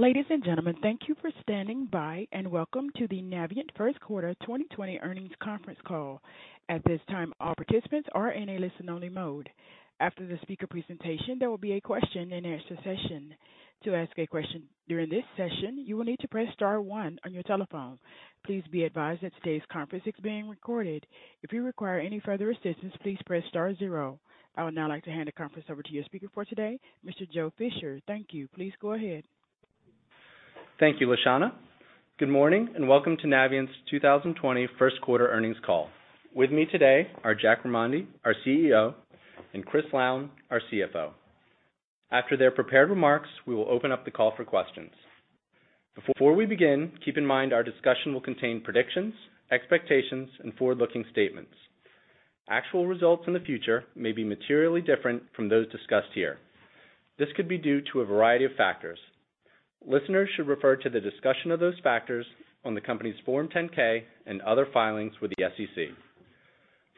Ladies and gentlemen, thank you for standing by. Welcome to the Navient First Quarter 2020 Earnings Conference Call. At this time, all participants are in a listen-only mode. After the speaker presentation, there will be a question-and-answer session. To ask a question during this session, you will need to press star one on your telephone. Please be advised that today's conference is being recorded. If you require any further assistance, please press star zero. I would now like to hand the conference over to your speaker for today, Mr. Joe Fisher. Thank you. Please go ahead. Thank you, LaShonna. Good morning, and welcome to Navient's 2020 first quarter earnings call. With me today are Jack Remondi, our CEO, and Chris Lown, our CFO. After their prepared remarks, we will open up the call for questions. Before we begin, keep in mind our discussion will contain predictions, expectations, and forward-looking statements. Actual results in the future may be materially different from those discussed here. This could be due to a variety of factors. Listeners should refer to the discussion of those factors on the company's Form 10-K and other filings with the SEC.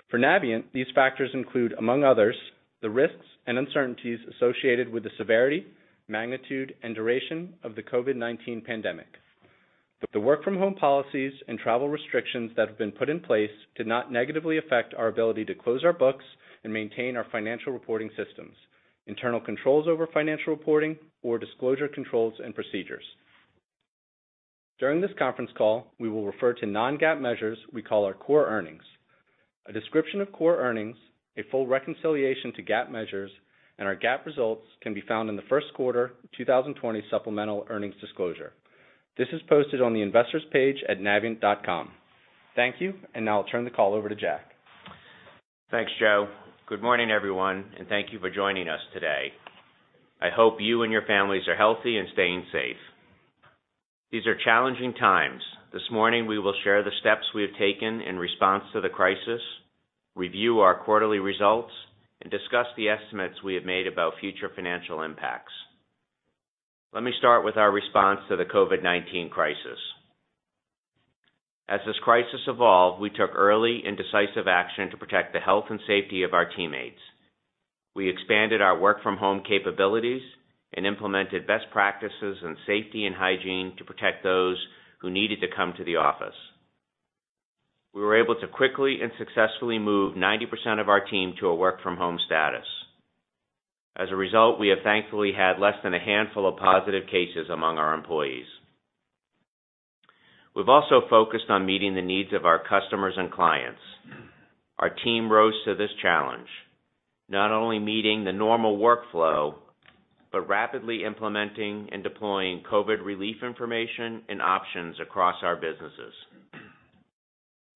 For Navient, these factors include, among others, the risks and uncertainties associated with the severity, magnitude, and duration of the COVID-19 pandemic. The work-from-home policies and travel restrictions that have been put in place did not negatively affect our ability to close our books and maintain our financial reporting systems, internal controls over financial reporting, or disclosure controls and procedures. During this conference call, we will refer to non-GAAP measures we call our Core Earnings. A description of Core Earnings, a full reconciliation to GAAP measures, and our GAAP results can be found in the first quarter 2020 supplemental earnings disclosure. This is posted on the Investors page at navient.com. Thank you, and now I'll turn the call over to Jack. Thanks, Joe. Good morning, everyone, thank you for joining us today. I hope you and your families are healthy and staying safe. These are challenging times. This morning, we will share the steps we have taken in response to the crisis, review our quarterly results, and discuss the estimates we have made about future financial impacts. Let me start with our response to the COVID-19 crisis. As this crisis evolved, we took early and decisive action to protect the health and safety of our teammates. We expanded our work-from-home capabilities and implemented best practices in safety and hygiene to protect those who needed to come to the office. We were able to quickly and successfully move 90% of our team to a work-from-home status. As a result, we have thankfully had less than a handful of positive cases among our employees. We've also focused on meeting the needs of our customers and clients. Our team rose to this challenge, not only meeting the normal workflow, but rapidly implementing and deploying COVID relief information and options across our businesses.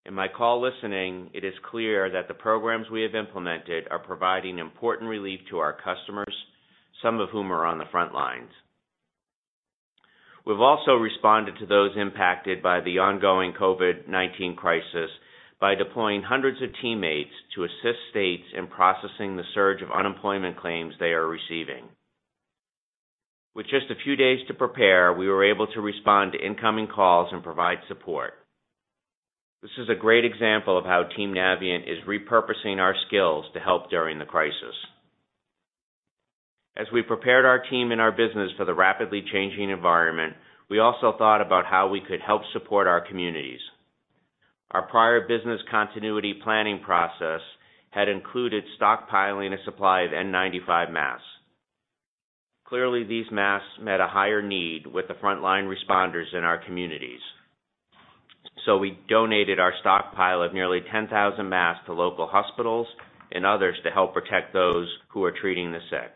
In my call listening, it is clear that the programs we have implemented are providing important relief to our customers, some of whom are on the front lines. We've also responded to those impacted by the ongoing COVID-19 crisis by deploying hundreds of teammates to assist states in processing the surge of unemployment claims they are receiving. With just a few days to prepare, we were able to respond to incoming calls and provide support. This is a great example of how Team Navient is repurposing our skills to help during the crisis. As we prepared our team and our business for the rapidly changing environment, we also thought about how we could help support our communities. Our prior business continuity planning process had included stockpiling a supply of N95 masks. These masks met a higher need with the frontline responders in our communities. We donated our stockpile of nearly 10,000 masks to local hospitals and others to help protect those who are treating the sick.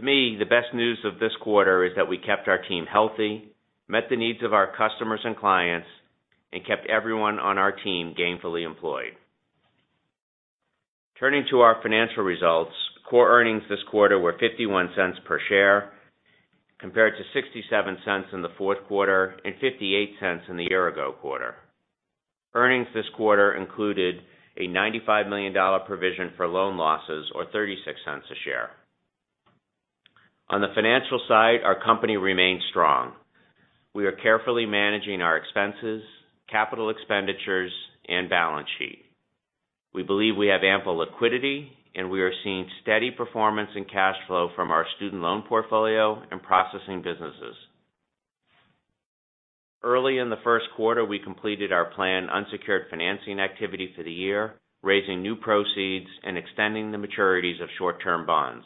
To me, the best news of this quarter is that we kept our team healthy, met the needs of our customers and clients, and kept everyone on our team gainfully employed. Turning to our financial results, Core Earnings this quarter were $0.51 per share, compared to $0.67 in the fourth quarter and $0.58 in the year-ago quarter. Earnings this quarter included a $95 million provision for loan losses, or $0.36 a share. On the financial side, our company remains strong. We are carefully managing our expenses, capital expenditures, and balance sheet. We believe we have ample liquidity, and we are seeing steady performance in cash flow from our student loan portfolio and processing businesses. Early in the first quarter, we completed our planned unsecured financing activity for the year, raising new proceeds and extending the maturities of short-term bonds.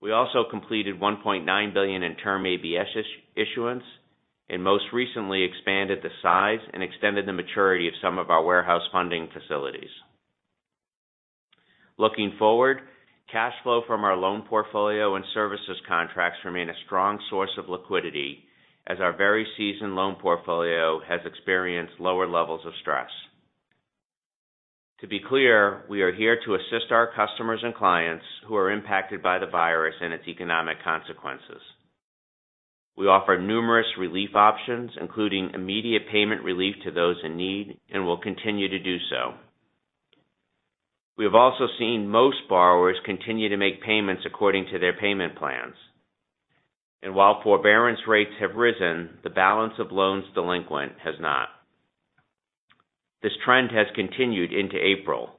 We also completed $1.9 billion in term ABS issuance, and most recently expanded the size and extended the maturity of some of our warehouse funding facilities. Looking forward, cash flow from our loan portfolio and services contracts remain a strong source of liquidity as our very seasoned loan portfolio has experienced lower levels of stress. To be clear, we are here to assist our customers and clients who are impacted by the virus and its economic consequences. We offer numerous relief options, including immediate payment relief to those in need, and will continue to do so. We have also seen most borrowers continue to make payments according to their payment plans. While forbearance rates have risen, the balance of loans delinquent has not. This trend has continued into April.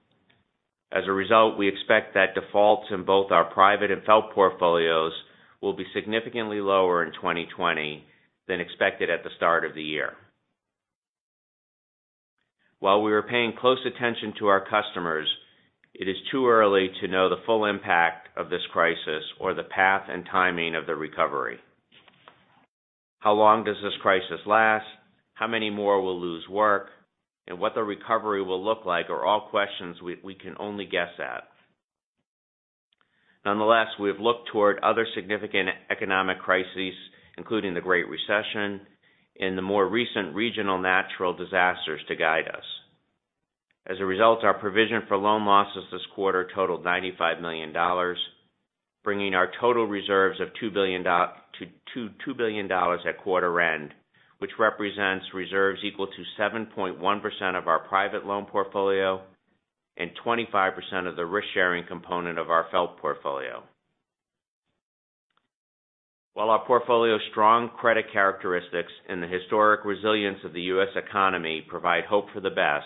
As a result, we expect that defaults in both our private and FFELP portfolios will be significantly lower in 2020 than expected at the start of the year. While we are paying close attention to our customers, it is too early to know the full impact of this crisis or the path and timing of the recovery. How long does this crisis last? How many more will lose work? What the recovery will look like are all questions we can only guess at. Nonetheless, we have looked toward other significant economic crises, including the Great Recession and the more recent regional natural disasters to guide us. As a result, our provision for loan losses this quarter totaled $95 million, bringing our total reserves to $2 billion at quarter end, which represents reserves equal to 7.1% of our private loan portfolio and 25% of the risk-sharing component of our FFELP portfolio. While our portfolio's strong credit characteristics and the historic resilience of the U.S. economy provide hope for the best,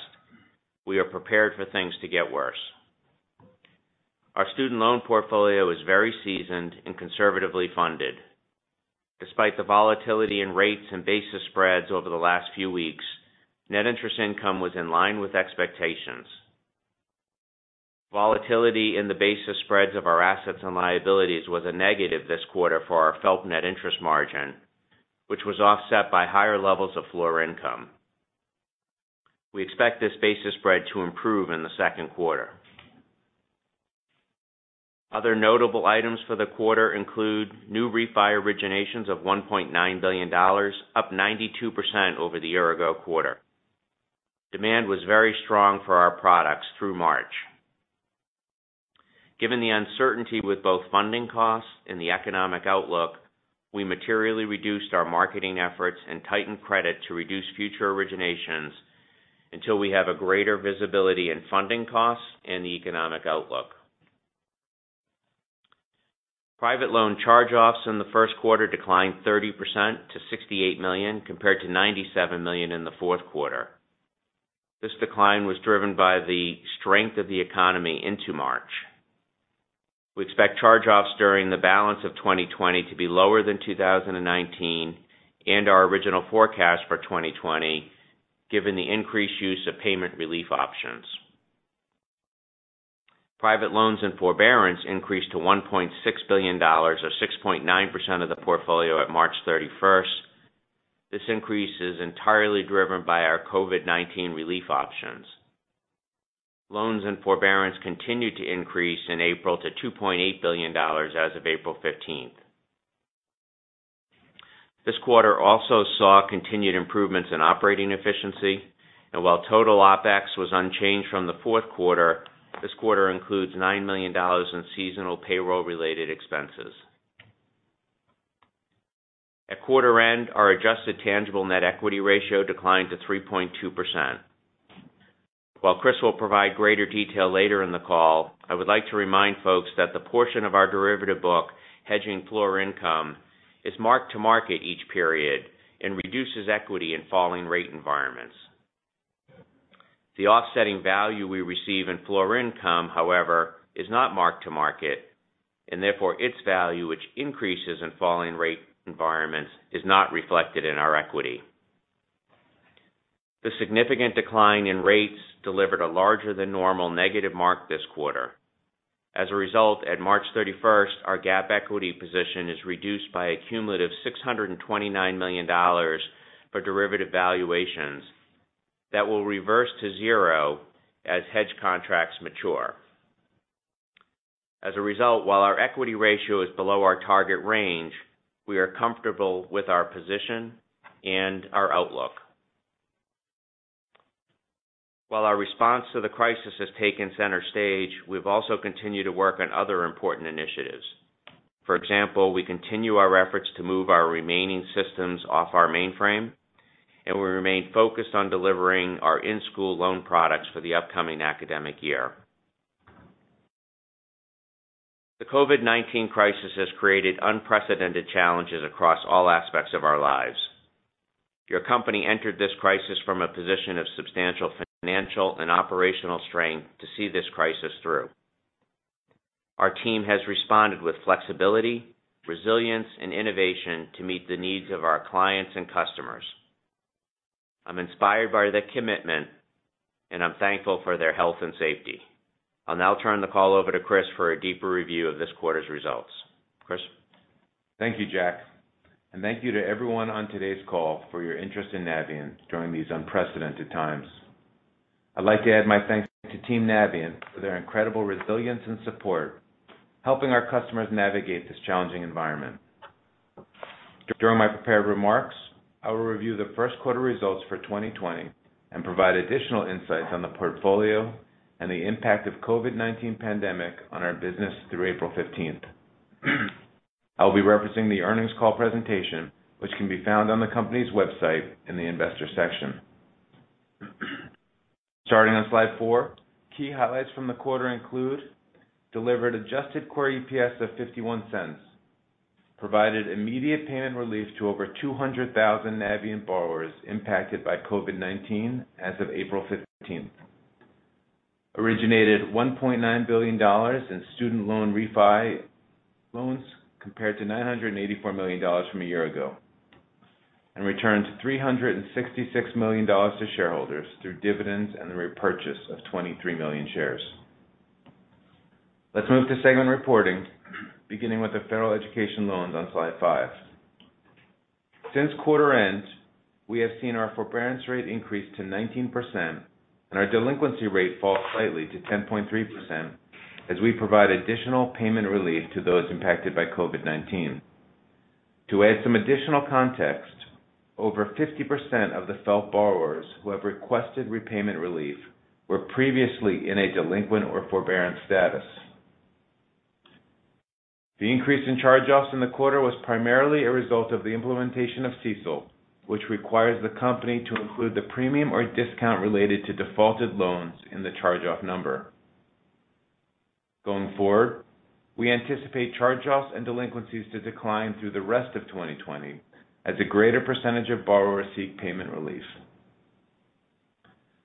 we are prepared for things to get worse. Our student loan portfolio is very seasoned and conservatively funded. Despite the volatility in rates and basis spreads over the last few weeks, net interest income was in line with expectations. Volatility in the basis spreads of our assets and liabilities was a negative this quarter for our FFELP net interest margin, which was offset by higher levels of floor income. We expect this basis spread to improve in the second quarter. Other notable items for the quarter include new refi originations of $1.9 billion, up 92% over the year-ago quarter. Demand was very strong for our products through March. Given the uncertainty with both funding costs and the economic outlook, we materially reduced our marketing efforts and tightened credit to reduce future originations until we have a greater visibility in funding costs and the economic outlook. Private loan charge-offs in the first quarter declined 30% to $68 million compared to $97 million in the fourth quarter. This decline was driven by the strength of the economy into March. We expect charge-offs during the balance of 2020 to be lower than 2019 and our original forecast for 2020, given the increased use of payment relief options. Private loans and forbearance increased to $1.6 billion, or 6.9% of the portfolio at March 31st. This increase is entirely driven by our COVID-19 relief options. Loans and forbearance continued to increase in April to $2.8 billion as of April 15th. This quarter also saw continued improvements in operating efficiency. While total OpEx was unchanged from the fourth quarter, this quarter includes $9 million in seasonal payroll-related expenses. At quarter end, our adjusted tangible net equity ratio declined to 3.2%. While Chris will provide greater detail later in the call, I would like to remind folks that the portion of our derivative book hedging floor income is mark-to-market each period and reduces equity in falling rate environments. The offsetting value we receive in floor income, however, is not mark to market, and therefore its value, which increases in falling rate environments, is not reflected in our equity. The significant decline in rates delivered a larger than normal negative mark this quarter. As a result, at March 31st, our GAAP equity position is reduced by a cumulative $629 million for derivative valuations that will reverse to zero as hedge contracts mature. As a result, while our equity ratio is below our target range, we are comfortable with our position and our outlook. While our response to the crisis has taken center stage, we've also continued to work on other important initiatives. For example, we continue our efforts to move our remaining systems off our mainframe, and we remain focused on delivering our in-school loan products for the upcoming academic year. The COVID-19 crisis has created unprecedented challenges across all aspects of our lives. Your company entered this crisis from a position of substantial financial and operational strength to see this crisis through. Our team has responded with flexibility, resilience and innovation to meet the needs of our clients and customers. I'm inspired by their commitment, and I'm thankful for their health and safety. I'll now turn the call over to Chris for a deeper review of this quarter's results. Chris? Thank you, Jack. Thank you to everyone on today's call for your interest in Navient during these unprecedented times. I'd like to add my thanks to Team Navient for their incredible resilience and support, helping our customers navigate this challenging environment. During my prepared remarks, I will review the first quarter results for 2020 and provide additional insights on the portfolio and the impact of COVID-19 pandemic on our business through April 15th. I'll be referencing the earnings call presentation, which can be found on the company's website in the investor section. Starting on slide four, key highlights from the quarter include delivered adjusted Core EPS of $0.51. Provided immediate payment relief to over 200,000 Navient borrowers impacted by COVID-19 as of April 15th. Originated $1.9 billion in student loan refi loans, compared to $984 million from a year ago. Returned $366 million to shareholders through dividends and the repurchase of 23 million shares. Let's move to segment reporting, beginning with the federal education loans on slide five. Since quarter end, we have seen our forbearance rate increase to 19% and our delinquency rate fall slightly to 10.3% as we provide additional payment relief to those impacted by COVID-19. To add some additional context, over 50% of the FFELP borrowers who have requested repayment relief were previously in a delinquent or forbearance status. The increase in charge-offs in the quarter was primarily a result of the implementation of CECL, which requires the company to include the premium or discount related to defaulted loans in the charge-off number. Going forward, we anticipate charge-offs and delinquencies to decline through the rest of 2020 as a greater percentage of borrowers seek payment relief.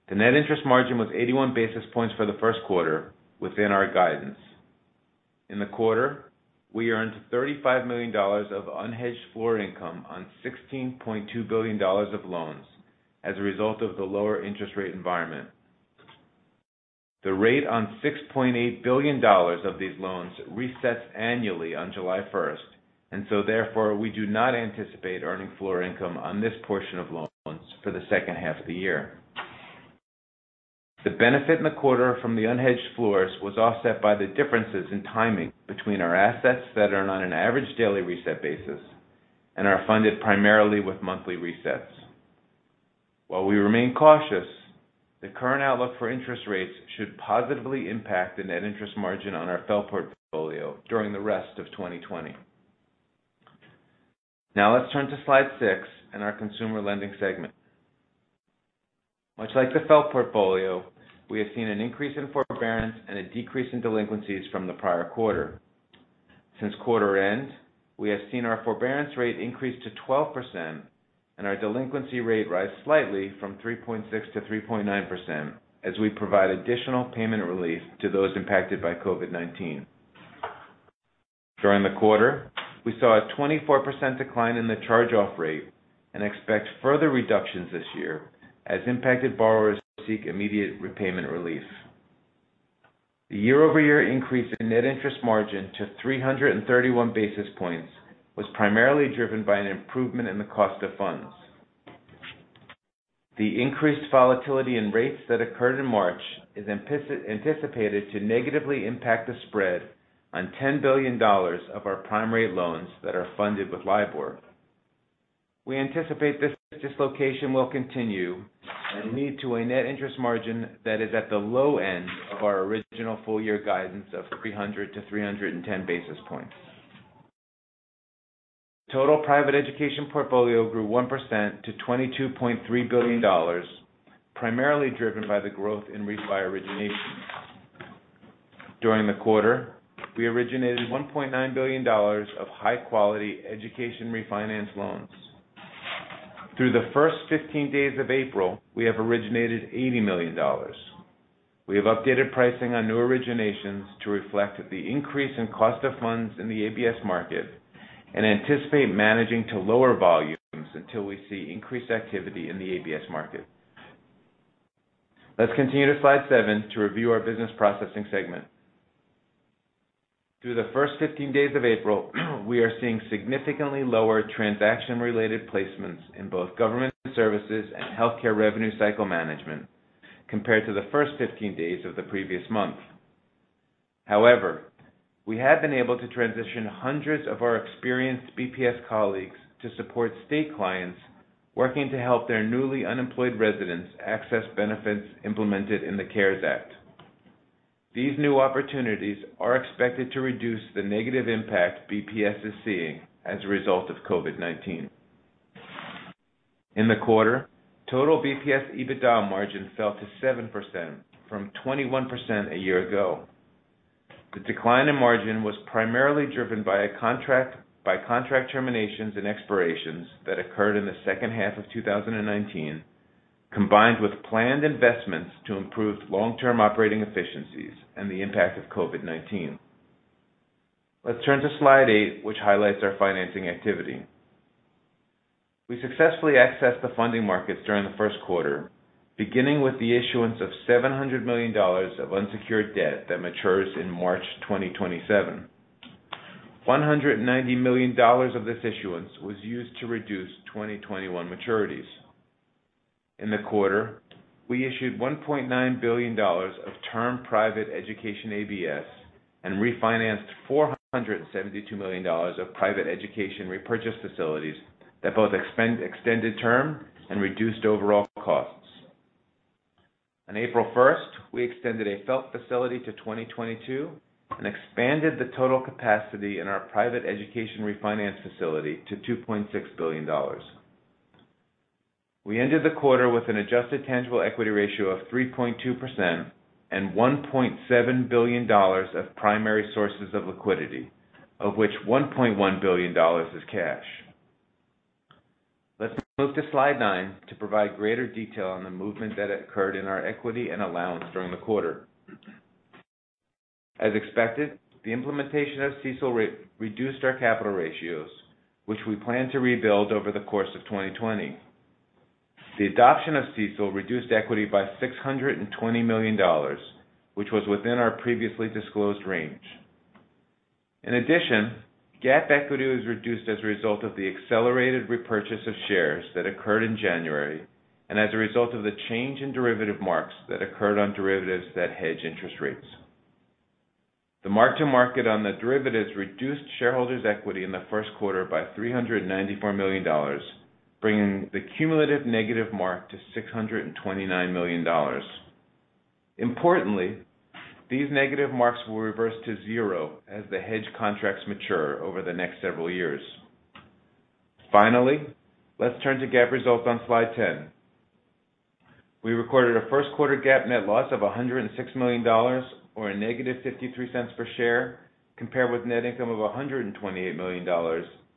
The net interest margin was 81 basis points for the first quarter within our guidance. In the quarter, we earned $35 million of unhedged floor income on $16.2 billion of loans as a result of the lower interest rate environment. The rate on $6.8 billion of these loans resets annually on July 1st. Therefore, we do not anticipate earning floor income on this portion of loans for the second half of the year. The benefit in the quarter from the unhedged floors was offset by the differences in timing between our assets that earn on an average daily reset basis and are funded primarily with monthly resets. While we remain cautious, the current outlook for interest rates should positively impact the net interest margin on our FFELP portfolio during the rest of 2020. Now, let's turn to slide six and our Consumer Lending segment. Much like the FFELP portfolio, we have seen an increase in forbearance and a decrease in delinquencies from the prior quarter. Since quarter end, we have seen our forbearance rate increase to 12% and our delinquency rate rise slightly from 3.6%-3.9% as we provide additional payment relief to those impacted by COVID-19. During the quarter, we saw a 24% decline in the charge-off rate and expect further reductions this year as impacted borrowers seek immediate repayment relief. The year-over-year increase in net interest margin to 331 basis points was primarily driven by an improvement in the cost of funds. The increased volatility in rates that occurred in March is anticipated to negatively impact the spread on $10 billion of our prime-rate loans that are funded with LIBOR. We anticipate this dislocation will continue and lead to a net interest margin that is at the low end of our original full year guidance of 300-310 basis points. Total private education portfolio grew 1% to $22.3 billion, primarily driven by the growth in refi originations. During the quarter, we originated $1.9 billion of high-quality education refinance loans. Through the first 15 days of April, we have originated $80 million. We have updated pricing on new originations to reflect the increase in cost of funds in the ABS market and anticipate managing to lower volumes until we see increased activity in the ABS market. Let's continue to slide seven to review our business processing segment. Through the first 15 days of April, we are seeing significantly lower transaction-related placements in both government services and healthcare revenue cycle management compared to the first 15 days of the previous month. However, we have been able to transition hundreds of our experienced BPS colleagues to support state clients working to help their newly unemployed residents access benefits implemented in the CARES Act. These new opportunities are expected to reduce the negative impact BPS is seeing as a result of COVID-19. In the quarter, total BPS EBITDA margin fell to 7% from 21% a year ago. The decline in margin was primarily driven by contract terminations and expirations that occurred in the second half of 2019, combined with planned investments to improve long-term operating efficiencies and the impact of COVID-19. Let's turn to slide eight, which highlights our financing activity. We successfully accessed the funding markets during the first quarter, beginning with the issuance of $700 million of unsecured debt that matures in March 2027. $190 million of this issuance was used to reduce 2021 maturities. In the quarter, we issued $1.9 billion of term private education ABS and refinanced $472 million of private education repurchase facilities that both extended term and reduced overall costs. On April 1st, we extended a FFELP facility to 2022 and expanded the total capacity in our private education refinance facility to $2.6 billion. We ended the quarter with an adjusted tangible equity ratio of 3.2% and $1.7 billion of primary sources of liquidity, of which $1.1 billion is cash. Let's move to slide nine to provide greater detail on the movement that occurred in our equity and allowance during the quarter. As expected, the implementation of CECL reduced our capital ratios, which we plan to rebuild over the course of 2020. The adoption of CECL reduced equity by $620 million, which was within our previously disclosed range. In addition, GAAP equity was reduced as a result of the accelerated repurchase of shares that occurred in January, and as a result of the change in derivative marks that occurred on derivatives that hedge interest rates. The mark-to-market on the derivatives reduced shareholders' equity in the first quarter by $394 million, bringing the cumulative negative mark to $629 million. Importantly, these negative marks will reverse to zero as the hedge contracts mature over the next several years. Finally, let's turn to GAAP results on slide 10. We recorded a first quarter GAAP net loss of $106 million, or a negative $0.53 per share, compared with net income of $128 million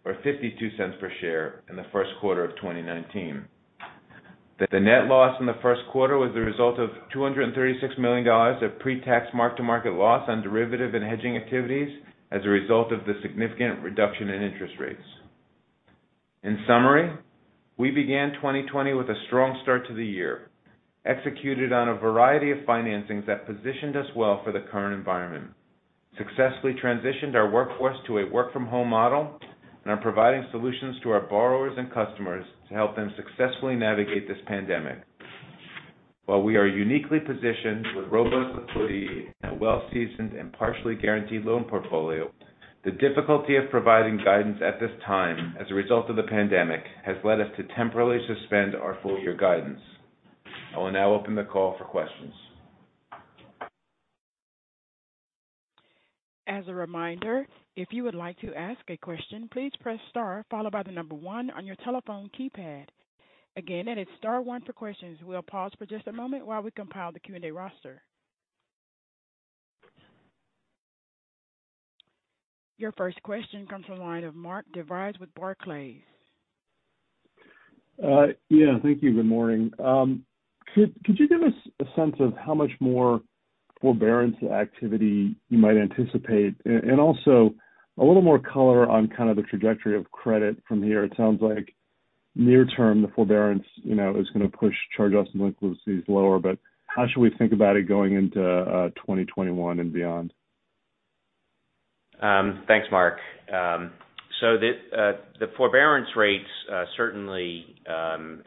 or $0.52 per share in the first quarter of 2019. The net loss in the first quarter was the result of $236 million of pre-tax mark-to-market loss on derivative and hedging activities as a result of the significant reduction in interest rates. In summary, we began 2020 with a strong start to the year, executed on a variety of financings that positioned us well for the current environment, successfully transitioned our workforce to a work-from-home model, and are providing solutions to our borrowers and customers to help them successfully navigate this pandemic. While we are uniquely positioned with robust liquidity and a well-seasoned and partially guaranteed loan portfolio, the difficulty of providing guidance at this time as a result of the pandemic has led us to temporarily suspend our full-year guidance. I will now open the call for questions. As a reminder, if you would like to ask a question, please press star followed by the number one on your telephone keypad. Again, that is star one for questions. We'll pause for just a moment while we compile the Q&A roster. Your first question comes from the line of Mark DeVries with Barclays. Yeah. Thank you. Good morning. Could you give us a sense of how much more forbearance activity you might anticipate? Also a little more color on kind of the trajectory of credit from here. It sounds like near term, the forbearance is going to push charge-offs and [liquidities lower. How should we think about it going into 2021 and beyond? Thanks, Mark. The forbearance rates certainly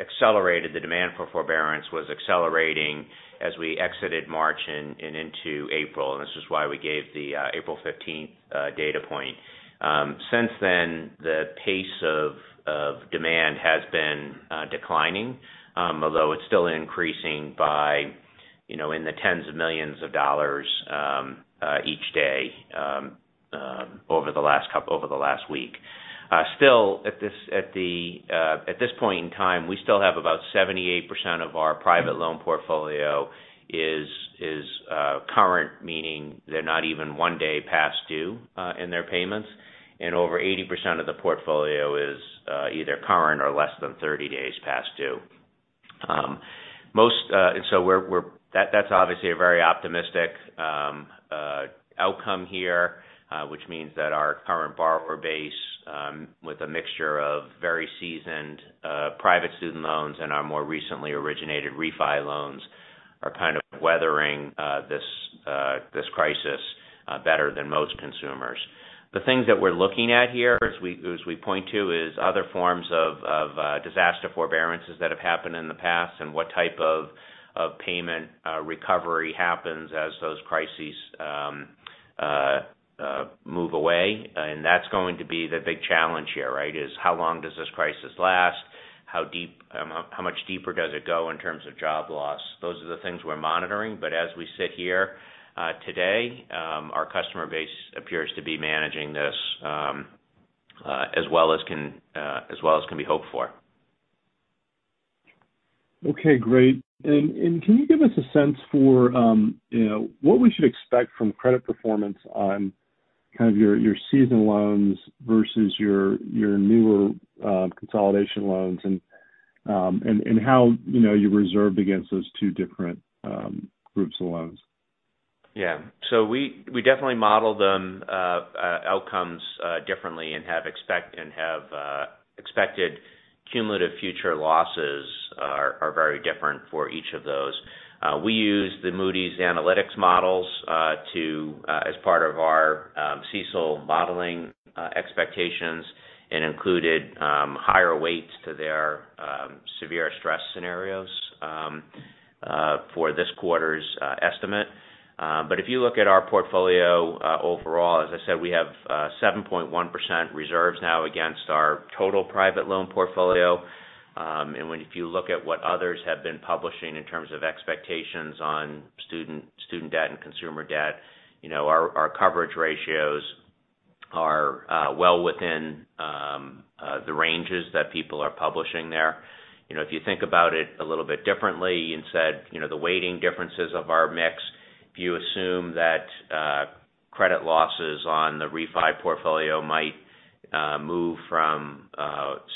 accelerated. The demand for forbearance was accelerating as we exited March and into April, and this is why we gave the April 15th data point. Since then, the pace of demand has been declining, although it's still increasing by in the tens of millions of dollars each day over the last week. Still, at this point in time, we still have about 78% of our private loan portfolio is current, meaning they're not even one day past due in their payments. Over 80% of the portfolio is either current or less than 30 days past due. That's obviously a very optimistic outcome here. Which means that our current borrower base with a mixture of very seasoned private student loans and our more recently originated refi loans are kind of weathering this crisis better than most consumers. The things that we're looking at here, as we point to, is other forms of disaster forbearances that have happened in the past and what type of payment recovery happens as those crises move away. That's going to be the big challenge here, right? Is how long does this crisis last? How much deeper does it go in terms of job loss? Those are the things we're monitoring. As we sit here today, our customer base appears to be managing this as well as can be hoped for. Okay, great. Can you give us a sense for what we should expect from credit performance on kind of your seasoned loans versus your newer consolidation loans and how you reserved against those two different groups of loans? Yeah. We definitely model the outcomes differently and have expected cumulative future losses are very different for each of those. We use the Moody's Analytics models as part of our CECL modeling expectations and included higher weights to their severe stress scenarios for this quarter's estimate. If you look at our portfolio overall, as I said, we have 7.1% reserves now against our total private loan portfolio. If you look at what others have been publishing in terms of expectations on student debt and consumer debt, our coverage ratios Are well within the ranges that people are publishing there. If you think about it a little bit differently and said, the weighting differences of our mix, if you assume that credit losses on the refi portfolio might move from,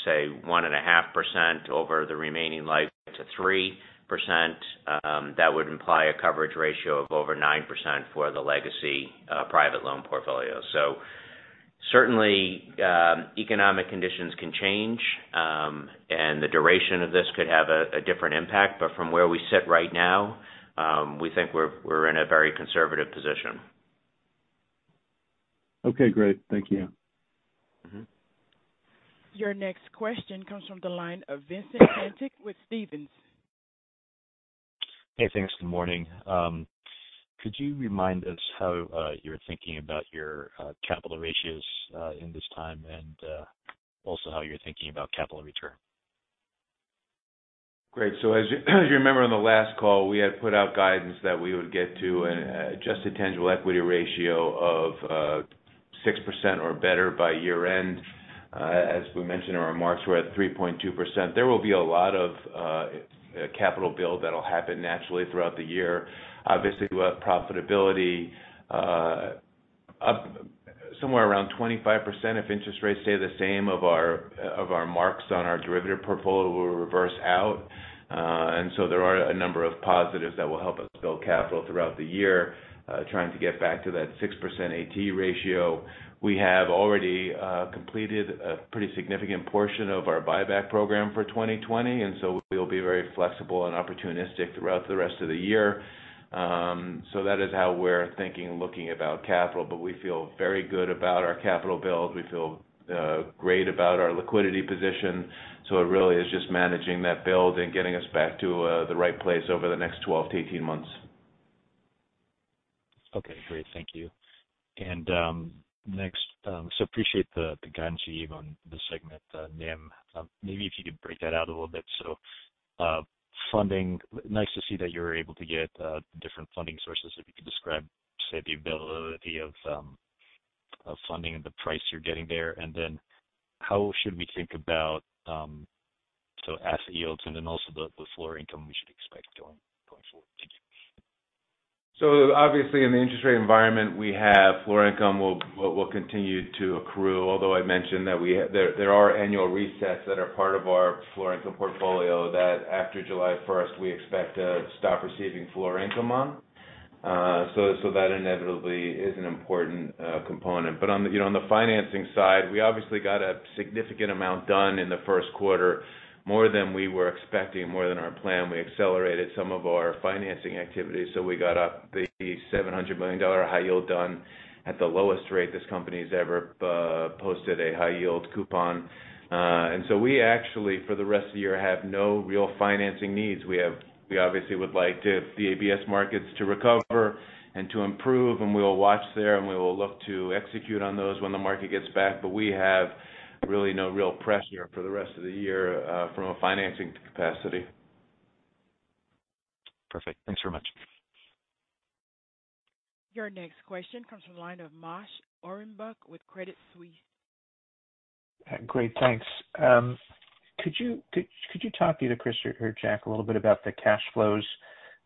say, 1.5% over the remaining life to 3%, that would imply a coverage ratio of over 9% for the legacy private loan portfolio. Certainly, economic conditions can change, and the duration of this could have a different impact, but from where we sit right now, we think we're in a very conservative position. Okay, great. Thank you. Your next question comes from the line of Vincent Caintic with Stephens. Hey, thanks. Good morning. Could you remind us how you're thinking about your capital ratios in this time and also how you're thinking about capital return? Great. As you remember on the last call, we had put out guidance that we would get to an adjusted tangible equity ratio of 6% or better by year end. As we mentioned in our marks, we're at 3.2%. There will be a lot of capital build that'll happen naturally throughout the year. Obviously, profitability up somewhere around 25% if interest rates stay the same of our marks on our derivative portfolio will reverse out. There are a number of positives that will help us build capital throughout the year, trying to get back to that 6% AT ratio. We have already completed a pretty significant portion of our buyback program for 2020, and so we'll be very flexible and opportunistic throughout the rest of the year. That is how we're thinking and looking about capital, but we feel very good about our capital build. We feel great about our liquidity position. It really is just managing that build and getting us back to the right place over the next 12-18 months. Okay, great. Thank you. Appreciate the guidance on the segment NIM. Maybe if you could break that out a little bit. Funding, nice to see that you're able to get different funding sources. If you could describe, say, the availability of funding and the price you're getting there, and then how should we think about asset yields and then also the floor income we should expect going forward? Obviously, in the interest rate environment we have, floor income will continue to accrue. Although I mentioned that there are annual resets that are part of our floor income portfolio that after July 1st, we expect to stop receiving floor income on. That inevitably is an important component. On the financing side, we obviously got a significant amount done in the first quarter, more than we were expecting, more than our plan. We accelerated some of our financing activities. We got a big $700 million high yield done at the lowest rate this company's ever posted a high yield coupon. We actually, for the rest of the year, have no real financing needs. We obviously would like the ABS markets to recover and to improve, and we'll watch there, and we will look to execute on those when the market gets back. We have really no real pressure for the rest of the year from a financing capacity. Perfect. Thanks very much. Your next question comes from the line of Moshe Orenbuch with Credit Suisse. Great. Thanks. Could you talk, either Chris or Jack, a little bit about the cash flows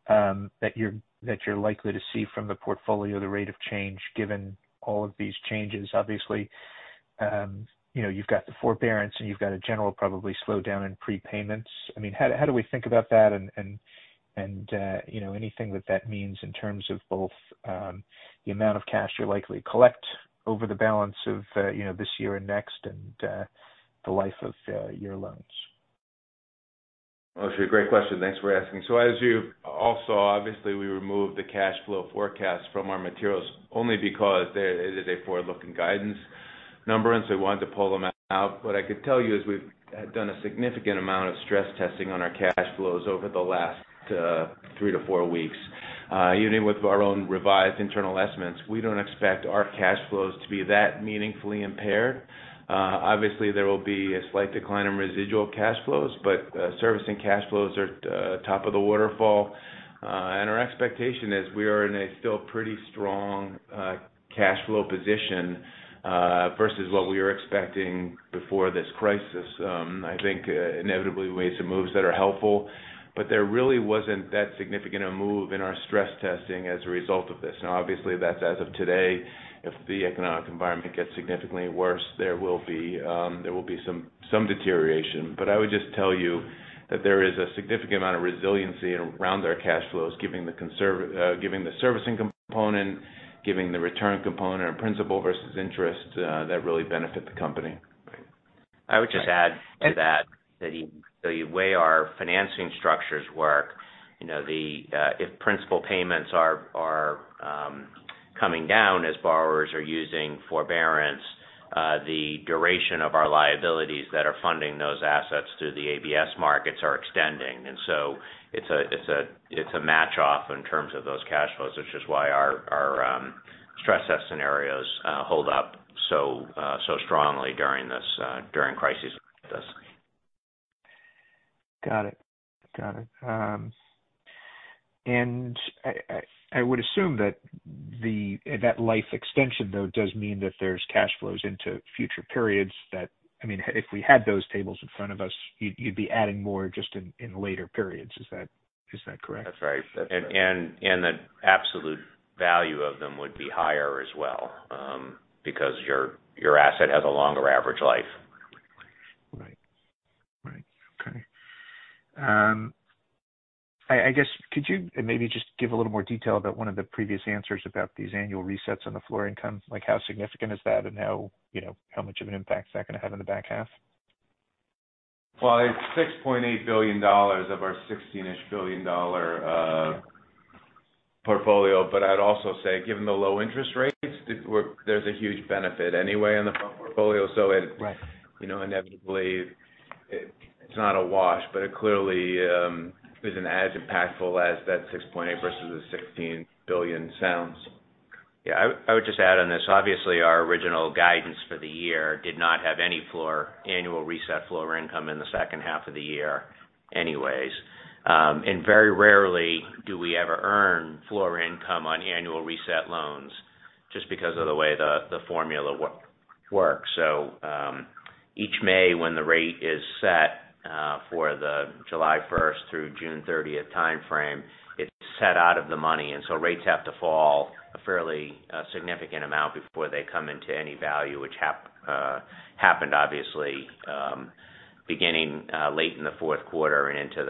that you're likely to see from the portfolio, the rate of change, given all of these changes? Obviously, you've got the forbearance, and you've got a general probably slowdown in prepayments. How do we think about that and anything that that means in terms of both the amount of cash you're likely to collect over the balance of this year and next and the life of your loans? Moshe, a great question. Thanks for asking. As you all saw, obviously, we removed the cash flow forecast from our materials only because it is a forward-looking guidance number, and so we wanted to pull them out. What I could tell you is we've done a significant amount of stress testing on our cash flows over the last three to four weeks. Even with our own revised internal estimates, we don't expect our cash flows to be that meaningfully impaired. Obviously, there will be a slight decline in residual cash flows, but servicing cash flows are top of the waterfall. Our expectation is we are in a still pretty strong cash flow position versus what we were expecting before this crisis. I think inevitably we made some moves that are helpful, but there really wasn't that significant a move in our stress testing as a result of this. Obviously, that's as of today. If the economic environment gets significantly worse, there will be some deterioration. I would just tell you that there is a significant amount of resiliency around our cash flows, given the servicing component, given the return component of principal versus interest that really benefit the company. I would just add to that the way our financing structures work, if principal payments are coming down as borrowers are using forbearance, the duration of our liabilities that are funding those assets through the ABS markets are extending. It's a match off in terms of those cash flows, which is why our stress test scenarios hold up so strongly during crises like this. Got it. I would assume that life extension though does mean that there's cash flows into future periods that, if we had those tables in front of us, you'd be adding more just in later periods. Is that correct? That's right. The absolute value of them would be higher as well because your asset has a longer average life. Right. Okay. I guess, could you maybe just give a little more detail about one of the previous answers about these annual resets on the floor income? Like how significant is that and how much of an impact is that going to have in the back half? Well, it's $6.8 billion of our $16-ish billion portfolio. I'd also say given the low interest rates, there's a huge benefit anyway on the front portfolio. Right. Inevitably, it's not a wash, it clearly isn't as impactful as that $6.8 billion versus the $16 billion sounds. Yeah. I would just add on this. Obviously, our original guidance for the year did not have any annual reset floor income in the second half of the year anyways. Very rarely do we ever earn floor income on annual reset loans just because of the way the formula works. Each May, when the rate is set for the July 1st through June 30th timeframe, it's set out of the money. Rates have to fall a fairly significant amount before they come into any value, which happened obviously beginning late in the fourth quarter and into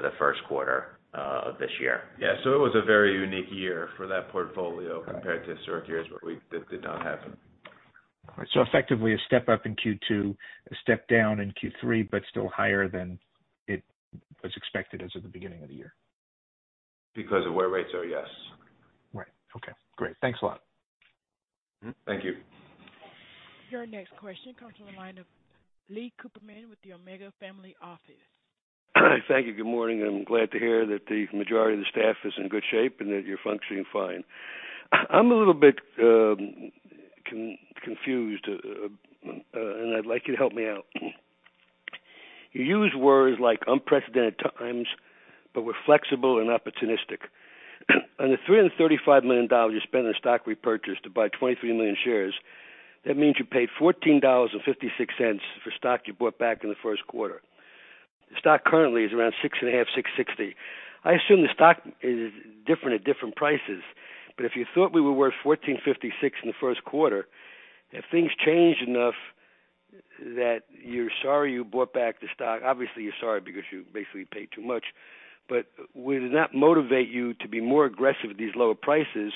the first quarter of this year. Yeah. It was a very unique year for that portfolio compared to historic years where that did not happen. Effectively a step up in Q2, a step down in Q3, but still higher than it was expected as of the beginning of the year. Because of where rates are, yes. Right. Okay, great. Thanks a lot. Thank you. Your next question comes from the line of Lee Cooperman with the Omega Family Office. Thank you. Good morning. I'm glad to hear that the majority of the staff is in good shape and that you're functioning fine. I'm a little bit confused, and I'd like you to help me out. You use words like unprecedented times, but we're flexible and opportunistic. On the $335 million you spent on stock repurchase to buy 23 million shares, that means you paid $14.56 for stock you bought back in the first quarter. The stock currently is around $6.50, $6.60. I assume the stock is different at different prices. If you thought we were worth $14.56 in the first quarter, if things changed enough that you're sorry you bought back the stock. Obviously, you're sorry because you basically paid too much. Would that motivate you to be more aggressive at these lower prices?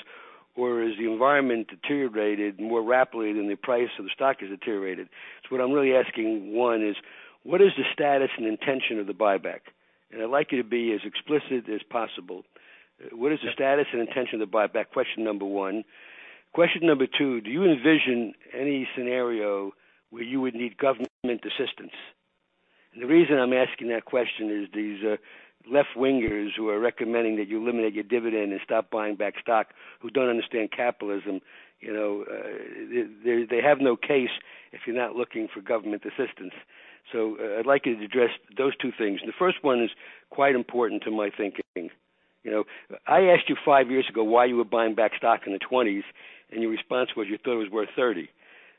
Has the environment deteriorated more rapidly than the price of the stock has deteriorated? What I'm really asking, one, is what is the status and intention of the buyback? I'd like you to be as explicit as possible. What is the status and intention of the buyback? Question number one. Question number two, do you envision any scenario where you would need government assistance? The reason I'm asking that question is these left-wingers who are recommending that you eliminate your dividend and stop buying back stock who don't understand capitalism. They have no case if you're not looking for government assistance. I'd like you to address those two things. The first one is quite important to my thinking. I asked you five years ago why you were buying back stock in the $20s, and your response was you thought it was worth $30.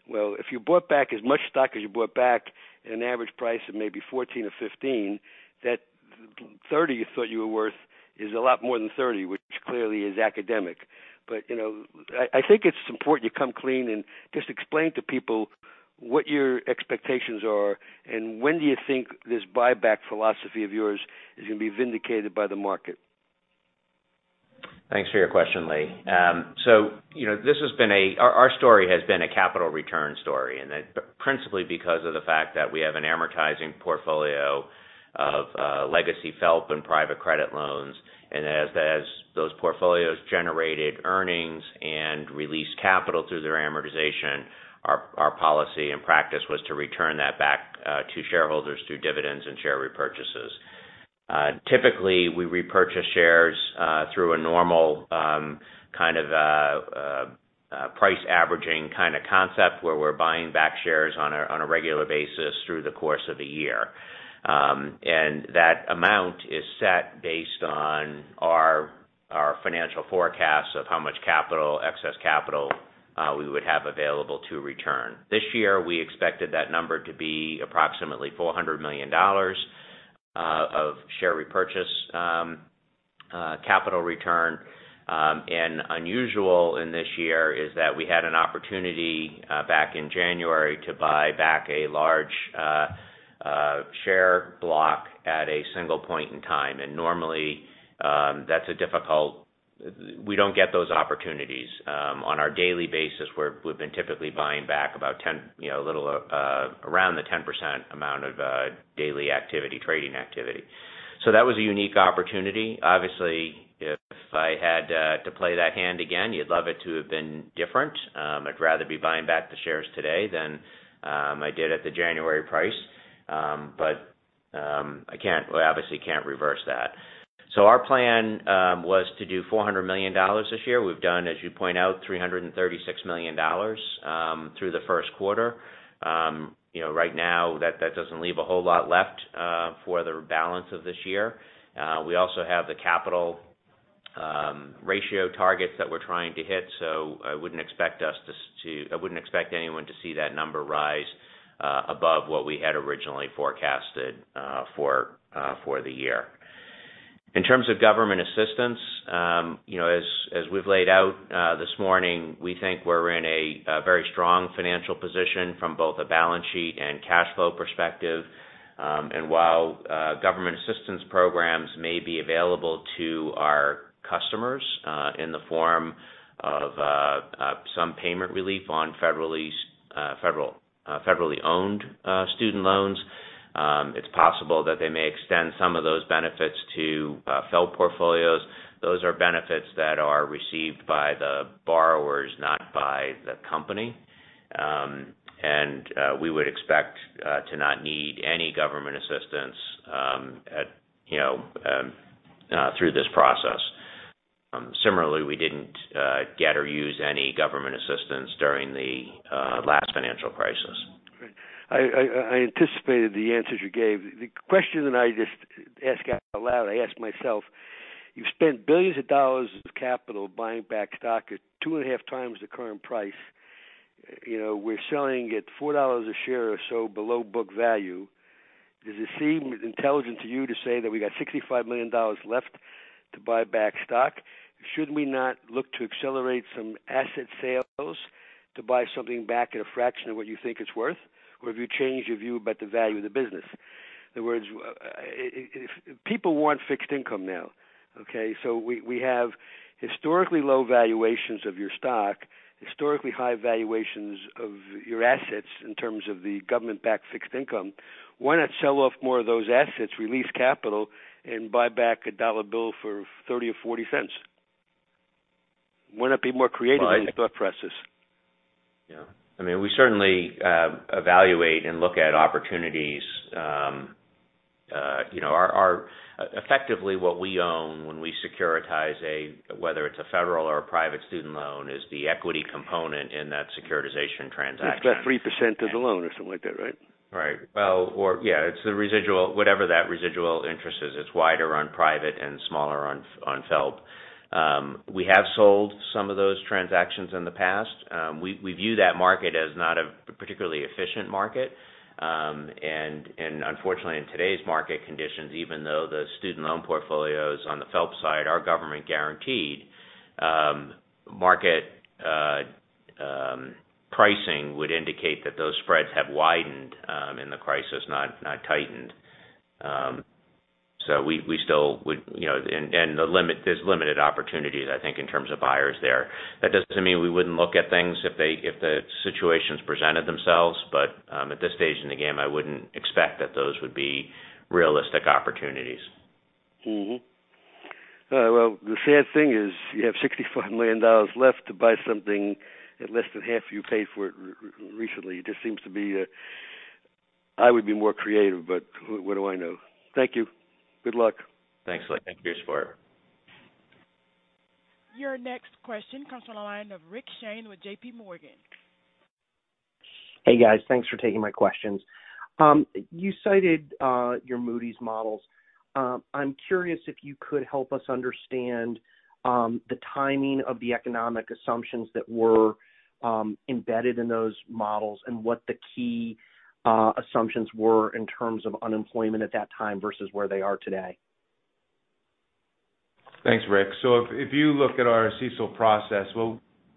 Well, if you bought back as much stock as you bought back at an average price of maybe $14 or $15, that $30 you thought you were worth is a lot more than $30, which clearly is academic. I think it's important you come clean and just explain to people what your expectations are and when do you think this buyback philosophy of yours is going to be vindicated by the market? Thanks for your question, Lee. Our story has been a capital return story, principally because of the fact that we have an amortizing portfolio of legacy FFELP and private credit loans. As those portfolios generated earnings and released capital through their amortization, our policy and practice was to return that back to shareholders through dividends and share repurchases. Typically, we repurchase shares through a normal kind of price averaging kind of concept where we're buying back shares on a regular basis through the course of a year. That amount is set based on our financial forecasts of how much excess capital we would have available to return. This year, we expected that number to be approximately $400 million of share repurchase capital return. Unusual in this year is that we had an opportunity back in January to buy back a large share block at a single point in time. Normally, we don't get those opportunities. On our daily basis, we've been typically buying back around the 10% amount of daily trading activity. That was a unique opportunity. Obviously, if I had to play that hand again, you'd love it to have been different. I'd rather be buying back the shares today than I did at the January price. I obviously can't reverse that. Our plan was to do $400 million this year. We've done, as you point out, $336 million through the first quarter. Right now, that doesn't leave a whole lot left for the balance of this year. We also have the capital ratio targets that we're trying to hit, so I wouldn't expect anyone to see that number rise above what we had originally forecasted for the year. In terms of government assistance, as we've laid out this morning, we think we're in a very strong financial position from both a balance sheet and cash flow perspective. While government assistance programs may be available to our customers in the form of some payment relief on federally owned student loans, it's possible that they may extend some of those benefits to FFELP portfolios. Those are benefits that are received by the borrowers, not by the company. We would expect to not need any government assistance through this process. Similarly, we didn't get or use any government assistance during the last financial crisis. Great. I anticipated the answers you gave. The question that I just asked out loud, I asked myself, you've spent billions of dollars of capital buying back stock at two and a half times the current price. We're selling at $4 a share or so below book value. Does it seem intelligent to you to say that we got $65 million left to buy back stock? Should we not look to accelerate some asset sales to buy something back at a fraction of what you think it's worth? Have you changed your view about the value of the business? In other words, people want fixed income now, okay? We have historically low valuations of your stock, historically high valuations of your assets in terms of the government-backed fixed income. Why not sell off more of those assets, release capital, and buy back a dollar bill for $0.30 or $0.40? Why not be more creative in your thought process? Yeah. We certainly evaluate and look at opportunities. Effectively what we own when we securitize a, whether it's a federal or a private student loan, is the equity component in that securitization transaction. It's that 3% as a loan or something like that, right? Right. Well, or yeah, it's the residual, whatever that residual interest is. It's wider on private and smaller on FFELP. We have sold some of those transactions in the past. We view that market as not a particularly efficient market. Unfortunately, in today's market conditions, even though the student loan portfolios on the FFELP side are government guaranteed, market pricing would indicate that those spreads have widened in the crisis, not tightened. There's limited opportunities, I think, in terms of buyers there. That doesn't mean we wouldn't look at things if the situations presented themselves. At this stage in the game, I wouldn't expect that those would be realistic opportunities. Well, the sad thing is you have $65 million left to buy something at less than half you paid for it recently. I would be more creative, what do I know? Thank you. Good luck. Thanks. Thank you for your support. Your next question comes from the line of Rick Shane with JPMorgan. Hey, guys. Thanks for taking my questions. You cited your Moody's models. I'm curious if you could help us understand the timing of the economic assumptions that were embedded in those models and what the key assumptions were in terms of unemployment at that time versus where they are today? Thanks, Rick. If you look at our CECL process,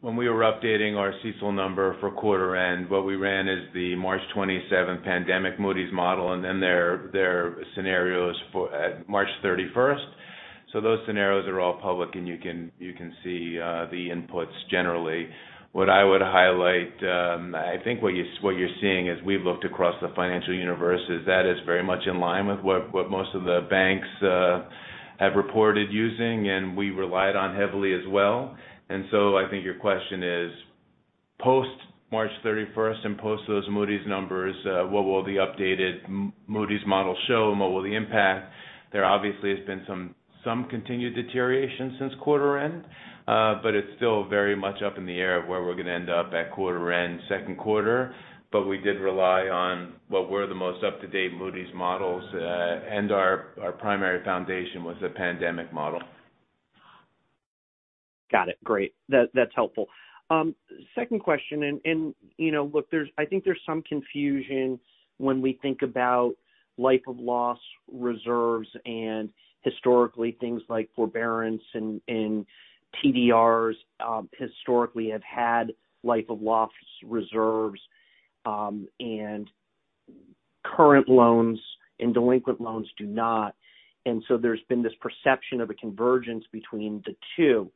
when we were updating our CECL number for quarter end, what we ran is the March 27th Pandemic Moody's model, and then their scenarios at March 31st. Those scenarios are all public, and you can see the inputs generally. What I would highlight, I think what you're seeing as we've looked across the financial universe is that it's very much in line with what most of the banks have reported using and we relied on heavily as well. I think your question is post March 31st and post those Moody's numbers, what will the updated Moody's model show and what will the impact? There obviously has been some continued deterioration since quarter end. It's still very much up in the air of where we're going to end up at quarter end second quarter. We did rely on what were the most up-to-date Moody's models, and our primary foundation was the pandemic model. Got it. Great. That's helpful. Second question, look, I think there's some confusion when we think about life of loss reserves and historically things like forbearance and TDRs historically have had life of loss reserves, and current loans and delinquent loans do not. There's been this perception of a convergence between the two.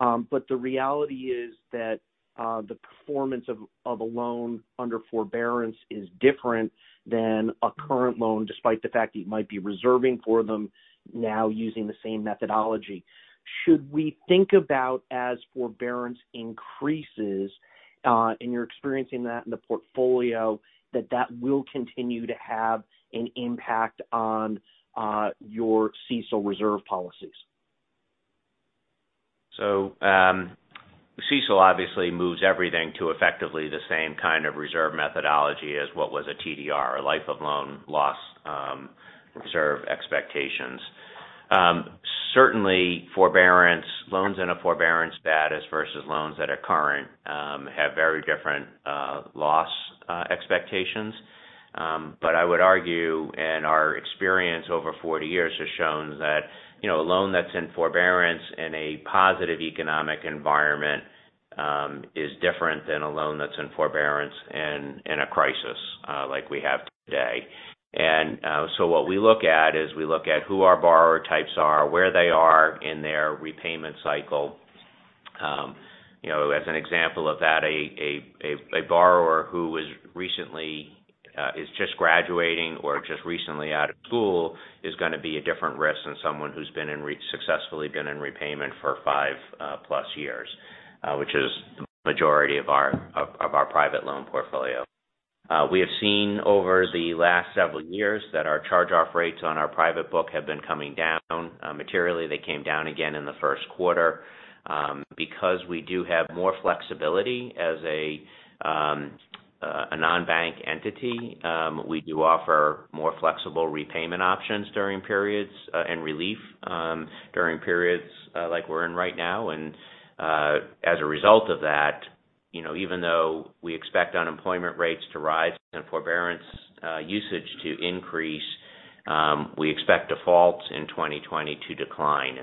The reality is that the performance of a loan under forbearance is different than a current loan, despite the fact that you might be reserving for them now using the same methodology. Should we think about as forbearance increases, and you're experiencing that in the portfolio, that that will continue to have an impact on your CECL reserve policies? CECL obviously moves everything to effectively the same kind of reserve methodology as what was a TDR, a life of loan loss reserve expectations. Certainly, forbearance, loans in a forbearance status versus loans that are current, have very different loss expectations. I would argue, and our experience over 40 years has shown that, a loan that's in forbearance in a positive economic environment, is different than a loan that's in forbearance in a crisis like we have today. What we look at is we look at who our borrower types are, where they are in their repayment cycle. As an example of that, a borrower who is just graduating or just recently out of school is going to be a different risk than someone who's successfully been in repayment for five plus years, which is the majority of our private loan portfolio. We have seen over the last several years that our charge-off rates on our private book have been coming down materially. They came down again in the first quarter. Because we do have more flexibility as a non-bank entity, we do offer more flexible repayment options during periods, and relief during periods like we're in right now. As a result of that, even though we expect unemployment rates to rise and forbearance usage to increase, we expect defaults in 2020 to decline.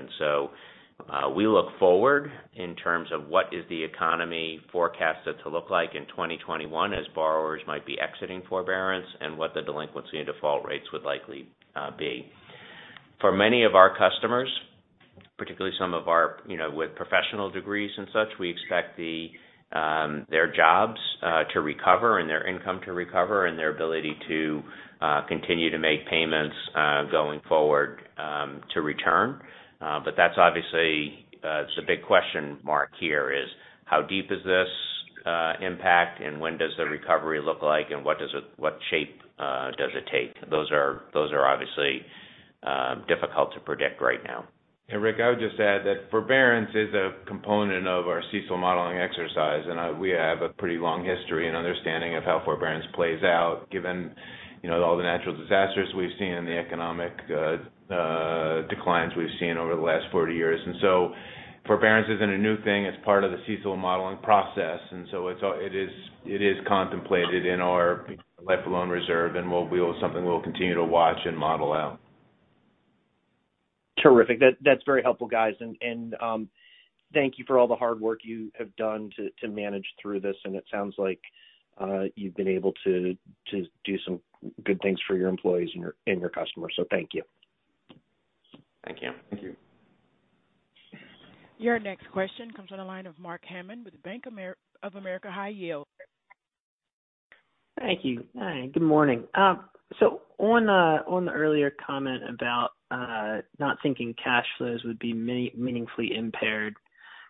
We look forward in terms of what is the economy forecasted to look like in 2021 as borrowers might be exiting forbearance and what the delinquency and default rates would likely be. For many of our customers, particularly some with professional degrees and such, we expect their jobs to recover and their income to recover and their ability to continue to make payments going forward, to return. That's obviously, it's a big question mark here is how deep is this impact and when does the recovery look like and what shape does it take? Those are obviously difficult to predict right now. Rick, I would just add that forbearance is a component of our CECL modeling exercise, and we have a pretty long history and understanding of how forbearance plays out given all the natural disasters we've seen and the economic declines we've seen over the last 40 years. Forbearance isn't a new thing. It's part of the CECL modeling process. It is contemplated in our life of loan reserve, and something we'll continue to watch and model out. Terrific. That's very helpful, guys. Thank you for all the hard work you have done to manage through this, and it sounds like you've been able to do some good things for your employees and your customers, so thank you. Thank you. Thank you. Your next question comes on the line of Mark Hammond with Bank of America High Yield. Thank you. Hi, good morning. On the earlier comment about not thinking cash flows would be meaningfully impaired,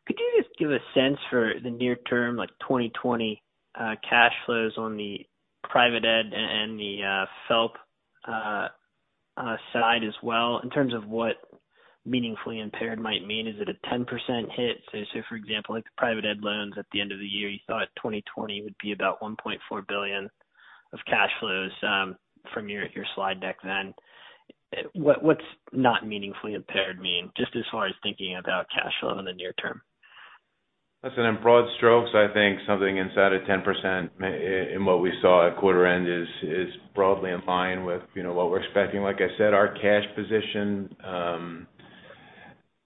could you just give a sense for the near term, like 2020 cash flows on the private ed and the FFELP side as well in terms of what meaningfully impaired might mean? Is it a 10% hit? For example, like the private ed loans at the end of the year, you thought 2020 would be about $1.4 billion of cash flows from your slide deck then. What's not meaningfully impaired mean, just as far as thinking about cash flow in the near term? Listen, in broad strokes, I think something inside of 10% in what we saw at quarter end is broadly in line with what we're expecting. Like I said, our cash position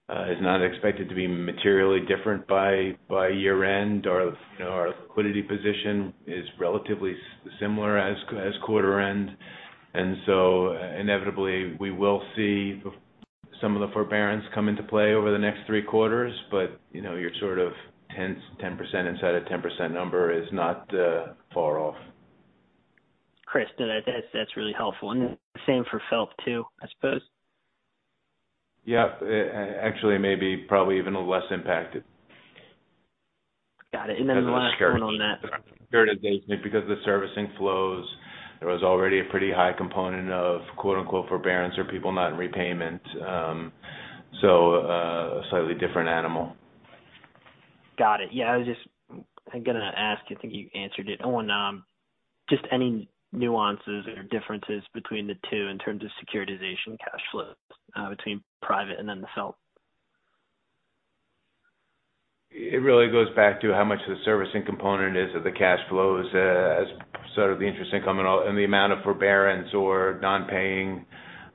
is not expected to be materially different by year-end. Our liquidity position is relatively similar as quarter end. Inevitably we will see some of the forbearance come into play over the next three quarters. You're sort of 10% inside a 10% number is not far off. Chris, that's really helpful. Same for FFELP too, I suppose. Yeah. Actually, maybe probably even less impacted. Got it. Because of the securitization, because the servicing flows, there was already a pretty high component of quote unquote forbearance or people not in repayment. A slightly different animal. Got it. Yeah, I was just going to ask, I think you answered it, on just any nuances or differences between the two in terms of securitization cash flows between private and then the FFELP. It really goes back to how much the servicing component is of the cash flows as sort of the interest income, and the amount of forbearance or non-paying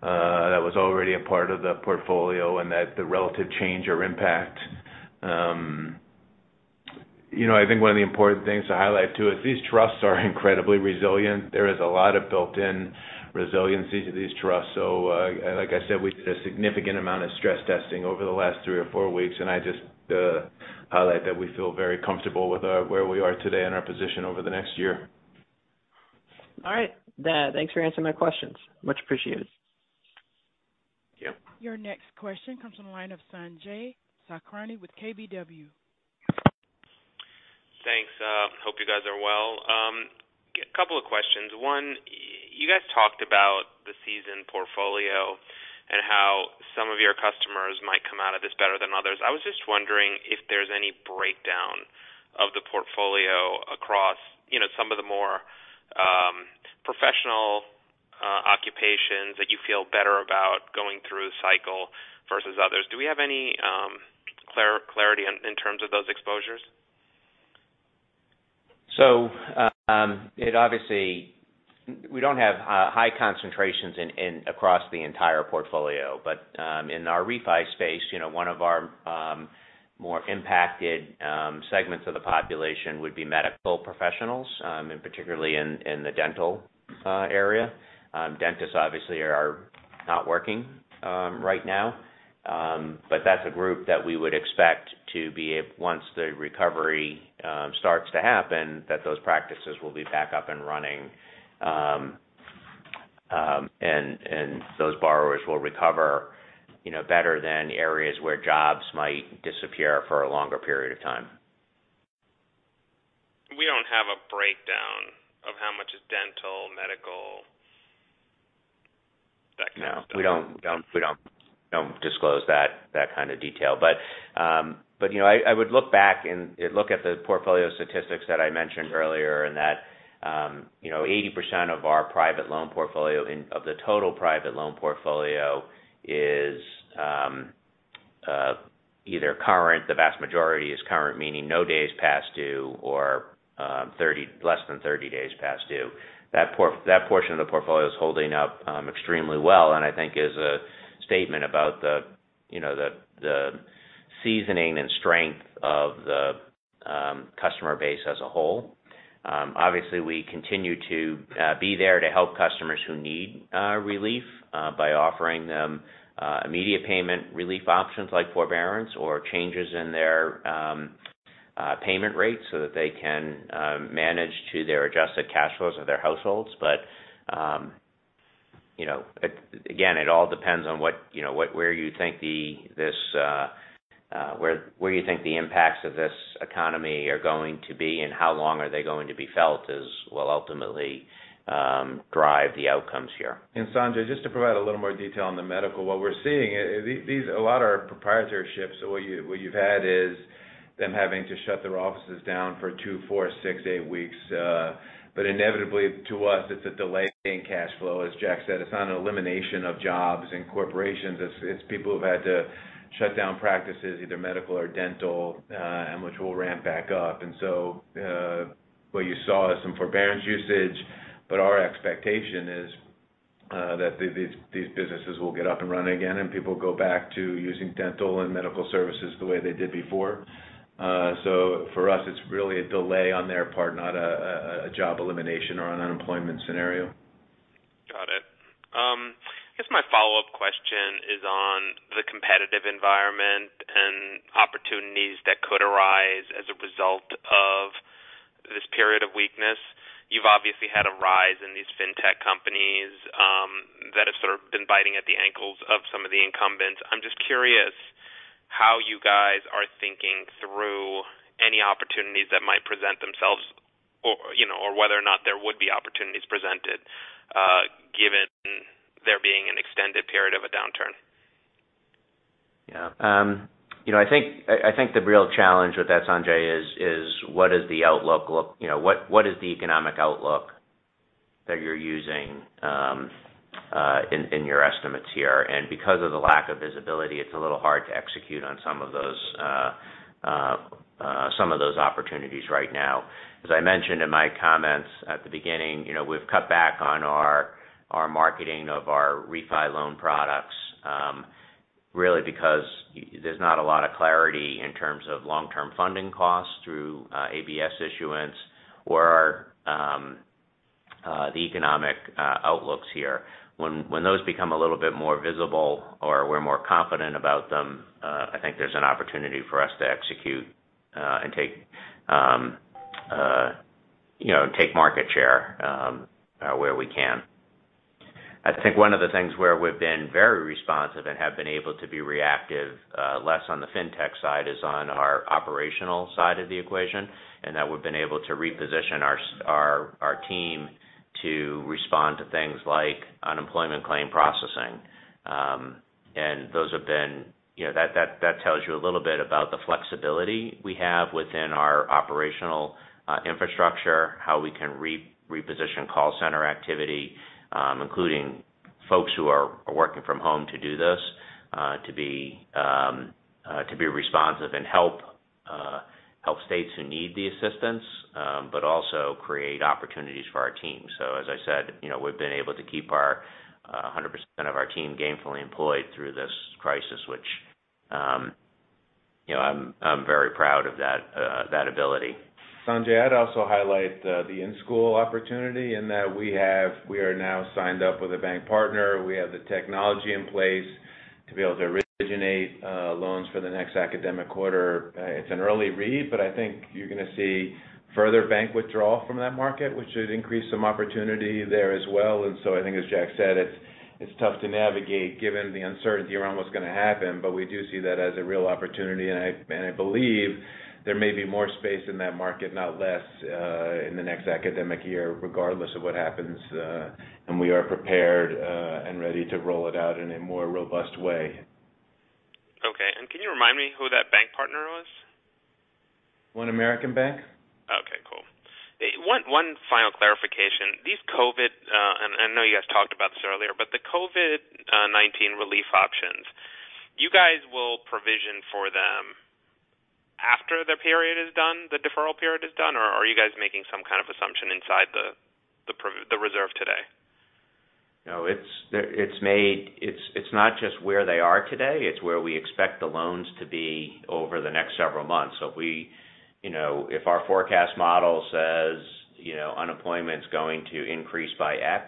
that was already a part of the portfolio and the relative change or impact. I think one of the important things to highlight, too, is these trusts are incredibly resilient. There is a lot of built-in resiliency to these trusts. Like I said, we did a significant amount of stress testing over the last three or four weeks, and I'd just highlight that we feel very comfortable with where we are today and our position over the next year. All right. Thanks for answering my questions. Much appreciated. Thank you. Your next question comes from the line of Sanjay Sakhrani with KBW. Thanks. Hope you guys are well. Couple of questions. One, you guys talked about the seasoned portfolio and how some of your customers might come out of this better than others. I was just wondering if there's any breakdown of the portfolio across some of the more professional occupations that you feel better about going through the cycle versus others. Do we have any clarity in terms of those exposures? Obviously, we don't have high concentrations across the entire portfolio. In our refi space, one of our more impacted segments of the population would be medical professionals, and particularly in the dental area. Dentists obviously are not working right now. That's a group that we would expect to be, once the recovery starts to happen, that those practices will be back up and running. Those borrowers will recover better than areas where jobs might disappear for a longer period of time. We don't have a breakdown of how much is dental, medical, that kind of stuff? No. We don't disclose that kind of detail. I would look back and look at the portfolio statistics that I mentioned earlier, and that 80% of our private loan portfolio, of the total private loan portfolio is either current, the vast majority is current, meaning no days past due or less than 30 days past due. That portion of the portfolio is holding up extremely well, and I think is a statement about the seasoning and strength of the customer base as a whole. Obviously, we continue to be there to help customers who need relief by offering them immediate payment relief options like forbearance or changes in their payment rates so that they can manage to their adjusted cash flows of their households. Again, it all depends on where you think the impacts of this economy are going to be and how long are they going to be felt will ultimately drive the outcomes here. Sanjay, just to provide a little more detail on the medical. What we're seeing, a lot are proprietorships. What you've had is them having to shut their offices down for two, four, six, eight weeks. Inevitably to us, it's a delay in cash flow. As Jack said, it's not an elimination of jobs and corporations. It's people who've had to shut down practices, either medical or dental, and which will ramp back up. What you saw is some forbearance usage, but our expectation is that these businesses will get up and running again, and people go back to using dental and medical services the way they did before. For us, it's really a delay on their part, not a job elimination or an unemployment scenario. Got it. I guess my follow-up question is on the competitive environment and opportunities that could arise as a result of this period of weakness. You've obviously had a rise in these fintech companies that have sort of been biting at the ankles of some of the incumbents. I'm just curious how you guys are thinking through any opportunities that might present themselves or whether or not there would be opportunities presented given there being an extended period of a downturn? I think the real challenge with that, Sanjay, is what is the economic outlook that you're using in your estimates here. Because of the lack of visibility, it's a little hard to execute on some of those opportunities right now. As I mentioned in my comments at the beginning, we've cut back on our marketing of our refi loan products, really because there's not a lot of clarity in terms of long-term funding costs through ABS issuance or the economic outlooks here. When those become a little bit more visible or we're more confident about them, I think there's an opportunity for us to execute and take market share where we can. I think one of the things where we've been very responsive and have been able to be reactive, less on the fintech side, is on our operational side of the equation, in that we've been able to reposition our team to respond to things like unemployment claim processing. That tells you a little bit about the flexibility we have within our operational infrastructure, how we can reposition call center activity, including folks who are working from home to do this, to be responsive and help states who need the assistance, but also create opportunities for our team. As I said, we've been able to keep 100% of our team gainfully employed through this crisis, which I'm very proud of that ability. Sanjay, I'd also highlight the in-school opportunity in that we are now signed up with a bank partner. We have the technology in place to be able to originate loans for the next academic quarter. It's an early read, but I think you're going to see further bank withdrawal from that market, which should increase some opportunity there as well. I think as Jack said, it's tough to navigate given the uncertainty around what's going to happen, but we do see that as a real opportunity. I believe there may be more space in that market, not less, in the next academic year, regardless of what happens. We are prepared and ready to roll it out in a more robust way. Okay. Can you remind me who that bank partner was? One American Bank. Okay, cool. One final clarification. I know you guys talked about this earlier, but the COVID-19 relief options, you guys will provision for them after the period is done, the deferral period is done? Are you guys making some kind of assumption inside the reserve today? No. It's not just where they are today, it's where we expect the loans to be over the next several months. If our forecast model says unemployment's going to increase by X,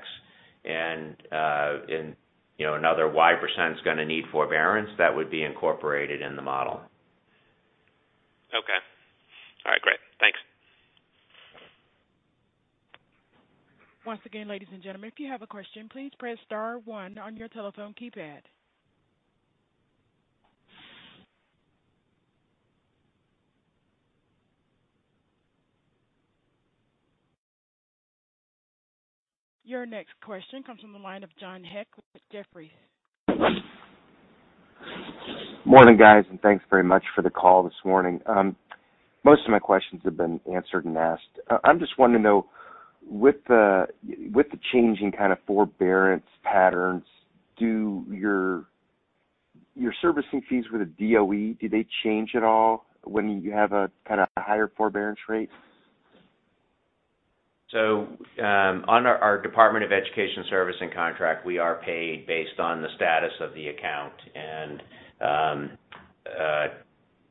and another Y percent's going to need forbearance, that would be incorporated in the model. Okay. All right, great. Thanks. Once again, ladies and gentlemen, if you have a question, please press star one on your telephone keypad. Your next question comes from the line of John Hecht with Jefferies. Morning, guys, thanks very much for the call this morning. Most of my questions have been answered and asked. I just wanted to know, with the changing kind of forbearance patterns, your servicing fees with the DOE, do they change at all when you have a kind of higher forbearance rate? On our Department of Education servicing contract, we are paid based on the status of the account.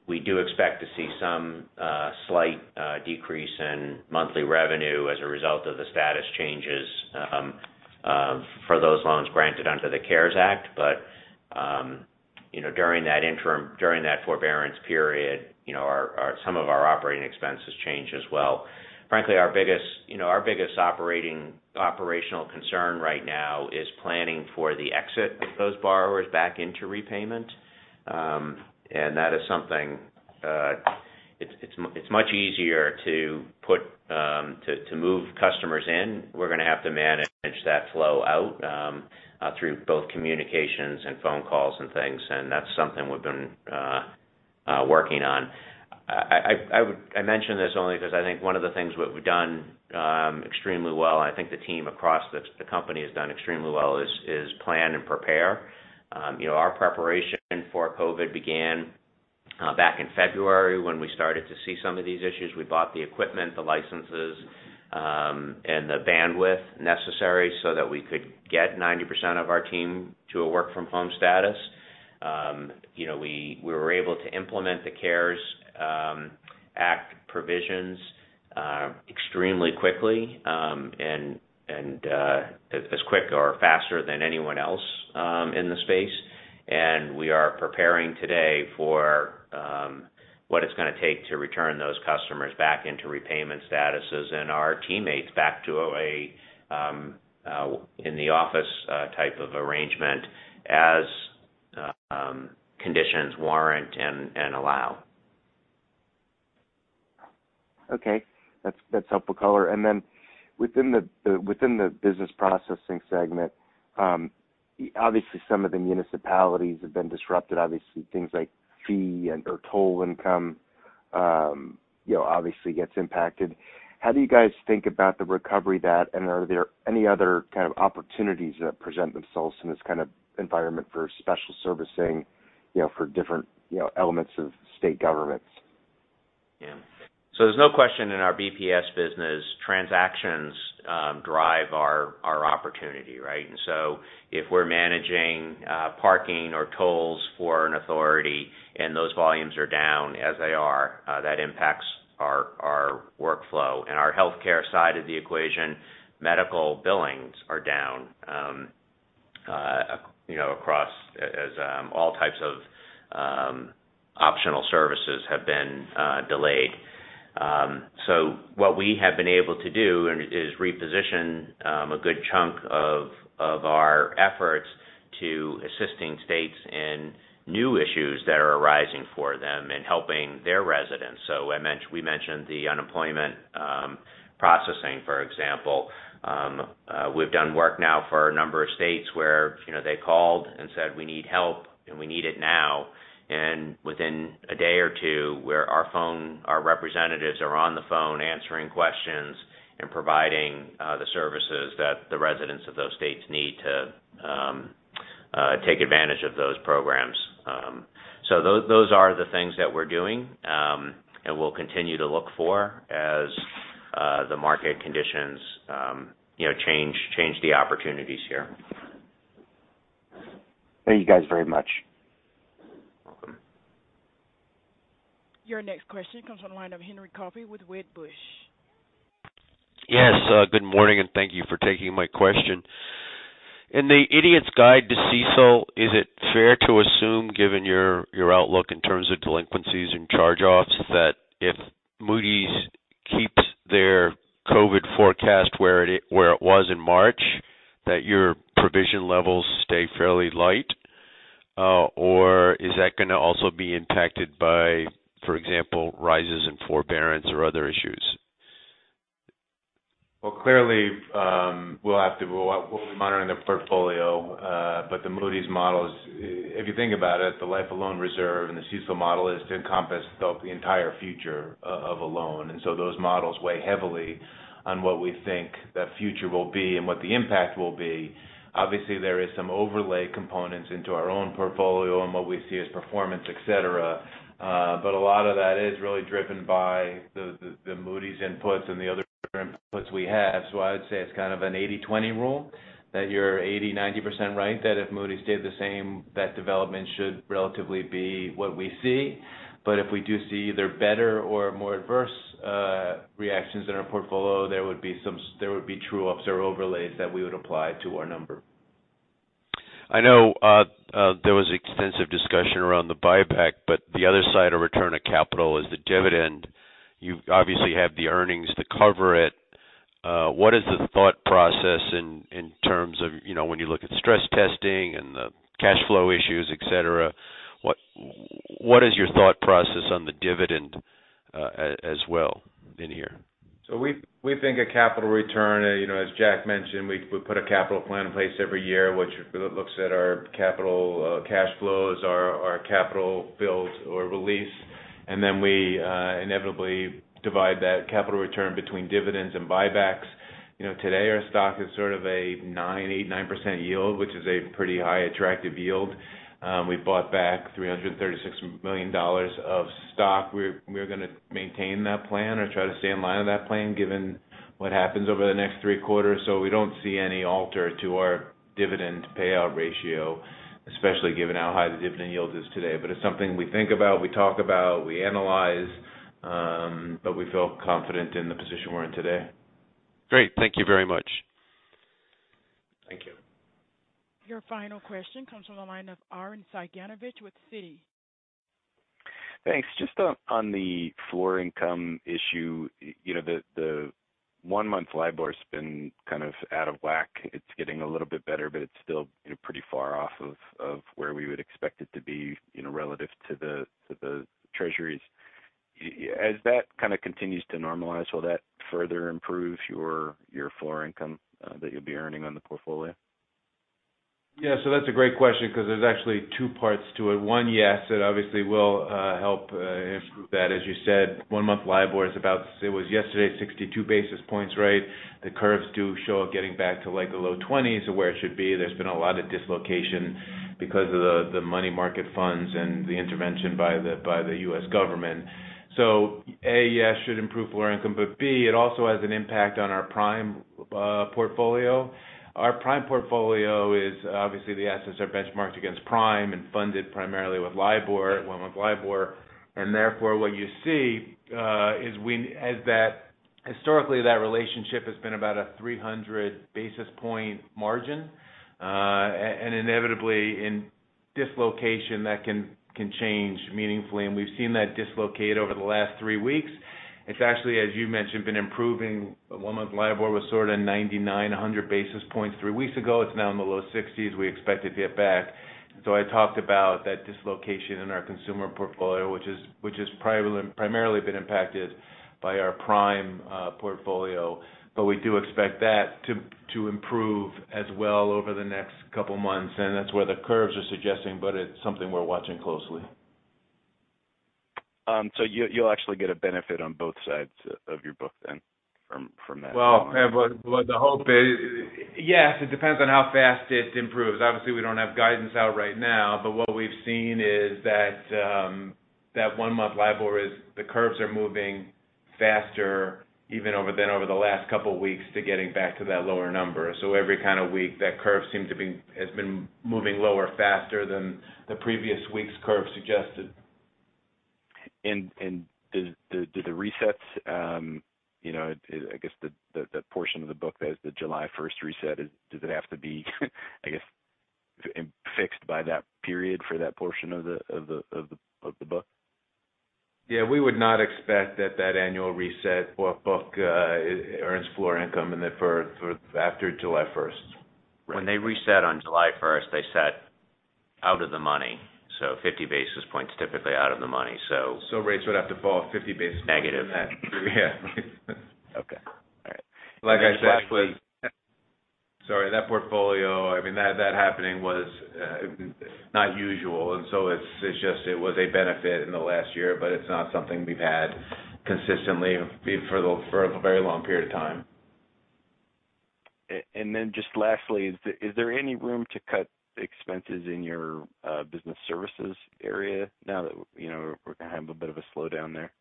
We do expect to see some slight decrease in monthly revenue as a result of the status changes for those loans granted under the CARES Act. During that forbearance period, some of our operating expenses change as well. Frankly, our biggest operational concern right now is planning for the exit of those borrowers back into repayment. It's much easier to move customers in. We're going to have to manage that flow out through both communications and phone calls and things. That's something we've been working on. I mention this only because I think one of the things we've done extremely well, and I think the team across the company has done extremely well, is plan and prepare. Our preparation for COVID began back in February when we started to see some of these issues. We bought the equipment, the licenses, and the bandwidth necessary so that we could get 90% of our team to a work-from-home status. We were able to implement the CARES Act provisions extremely quickly, and as quick or faster than anyone else in the space. We are preparing today for what it's going to take to return those customers back into repayment statuses and our teammates back to in-the-office type of arrangement as conditions warrant and allow. Okay. That's helpful color. Then within the business processing segment, obviously some of the municipalities have been disrupted. Obviously things like fee and/or toll income obviously gets impacted. How do you guys think about the recovery of that, and are there any other kind of opportunities that present themselves in this kind of environment for special servicing for different elements of state governments? There's no question in our BPS business, transactions drive our opportunity, right? If we're managing parking or tolls for an authority and those volumes are down as they are, that impacts our workflow. In our healthcare side of the equation, medical billings are down across all types of optional services have been delayed. What we have been able to do is reposition a good chunk of our efforts to assisting states in new issues that are arising for them and helping their residents. We mentioned the unemployment processing, for example. We've done work now for a number of states where they called and said, "We need help, and we need it now." Within a day or two, our representatives are on the phone answering questions and providing the services that the residents of those states need to take advantage of those programs. Those are the things that we're doing, and we'll continue to look for as the market conditions change the opportunities here. Thank you guys very much. Your next question comes on the line of Henry Coffey with Wedbush. Yes. Good morning. Thank you for taking my question. In the Idiot's Guide to CECL, is it fair to assume, given your outlook in terms of delinquencies and charge-offs, that if Moody's keeps their COVID forecast where it was in March, that your provision levels stay fairly light? Is that going to also be impacted by, for example, rises in forbearance or other issues? Well, clearly, we'll be monitoring the portfolio. The Moody's models, if you think about it, the life of loan reserve and the CECL model is to encompass the entire future of a loan. Those models weigh heavily on what we think that future will be and what the impact will be. Obviously, there is some overlay components into our own portfolio and what we see as performance, et cetera. A lot of that is really driven by the Moody's inputs and the other inputs we have. I'd say it's kind of an 80/20 rule, that you're 80%-90% right that if Moody's stayed the same, that development should relatively be what we see. If we do see either better or more adverse reactions in our portfolio, there would be true observed overlays that we would apply to our number. I know there was extensive discussion around the buyback. The other side of return of capital is the dividend. You obviously have the earnings to cover it. What is the thought process in terms of when you look at stress testing and the cash flow issues, et cetera? What is your thought process on the dividend as well in here? We think of capital return, as Jack mentioned, we put a capital plan in place every year, which looks at our capital cash flows, our capital builds or release, and then we inevitably divide that capital return between dividends and buybacks. Today our stock is sort of a 9%, 8%, 9% yield, which is a pretty high attractive yield. We bought back $336 million of stock. We're going to maintain that plan or try to stay in line with that plan given what happens over the next three quarters. We don't see any alter to our dividend payout ratio, especially given how high the dividend yield is today. It's something we think about, we talk about, we analyze, but we feel confident in the position we're in today. Great. Thank you very much. Thank you. Your final question comes from the line of Arren Cyganovich with Citi. Thanks. Just on the floor income issue. The one-month LIBOR's been kind of out of whack. It's getting a little bit better, but it's still pretty far off of where we would expect it to be relative to the Treasuries. As that kind of continues to normalize, will that further improve your floor income that you'll be earning on the portfolio? Yeah. That's a great question because there's actually two parts to it. One, yes, it obviously will help improve that. As you said, one-month LIBOR is about, it was yesterday, 62 basis points. The curves do show it getting back to like the low 20s of where it should be. There's been a lot of dislocation because of the money market funds and the intervention by the U.S. government. A, yes, should improve floor income. B, it also has an impact on our prime portfolio. Our prime portfolio is obviously the assets are benchmarked against prime and funded primarily with one-month LIBOR. Therefore, what you see is historically that relationship has been about a 300 basis point margin. Inevitably in dislocation that can change meaningfully, and we've seen that dislocate over the last three weeks. It's actually, as you mentioned, been improving. One-month LIBOR was sort of 99-100 basis points three weeks ago. It's now in the low 60s. We expect it to get back. I talked about that dislocation in our consumer portfolio, which has primarily been impacted by our prime portfolio. We do expect that to improve as well over the next couple of months, and that's where the curves are suggesting. It's something we're watching closely. You'll actually get a benefit on both sides of your book then from that? Yes. It depends on how fast it improves. Obviously, we don't have guidance out right now, but what we've seen is that one-month LIBOR is the curves are moving faster even over the last couple of weeks to getting back to that lower number. Every kind of week that curve has been moving lower faster than the previous week's curve suggested. Do the resets, I guess that portion of the book that is the July 1st reset, does it have to be I guess, fixed by that period for that portion of the book? We would not expect that annual reset or book earns floor income after July 1st. When they reset on July 1st, they set out of the money. 50 basis points typically out of the money. Rates would have to fall 50 basis points from that. Negative. Yeah. Okay. All right. Like I said- Sorry. That portfolio, I mean, that happening was not usual. It's just it was a benefit in the last year, but it's not something we've had consistently for a very long period of time. Just lastly, is there any room to cut expenses in your business services area now that we're going to have a bit of a slowdown there?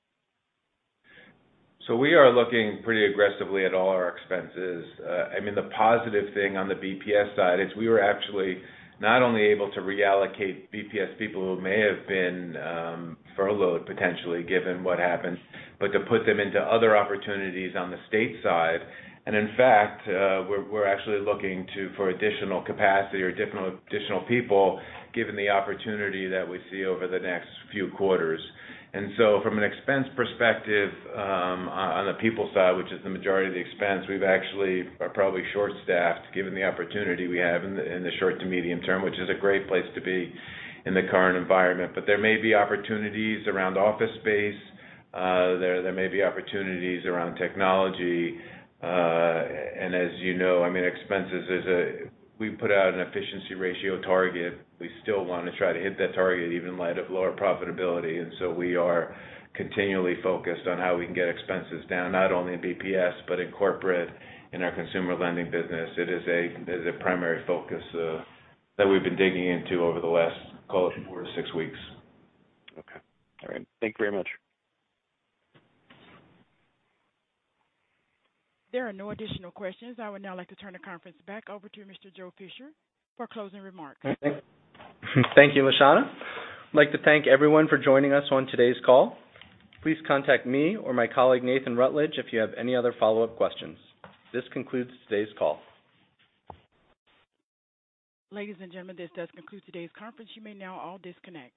We are looking pretty aggressively at all our expenses. I mean, the positive thing on the BPS side is we were actually not only able to reallocate BPS people who may have been furloughed potentially given what happened, but to put them into other opportunities on the state side. In fact, we're actually looking for additional capacity or additional people given the opportunity that we see over the next few quarters. From an expense perspective on the people side, which is the majority of the expense, we've actually are probably short-staffed given the opportunity we have in the short to medium term, which is a great place to be in the current environment. There may be opportunities around office space. There may be opportunities around technology. As you know, I mean, expenses is we put out an efficiency ratio target. We still want to try to hit that target even in light of lower profitability. We are continually focused on how we can get expenses down, not only in BPS, but in corporate, in our consumer lending business. It is a primary focus that we've been digging into over the last, call it four to six weeks. Okay. All right. Thank you very much. There are no additional questions. I would now like to turn the conference back over to Mr. Joe Fisher for closing remarks. Thank you, LaShonna. I'd like to thank everyone for joining us on today's call. Please contact me or my colleague, Nathan Rutledge, if you have any other follow-up questions. This concludes today's call. Ladies and gentlemen, this does conclude today's conference. You may now all disconnect.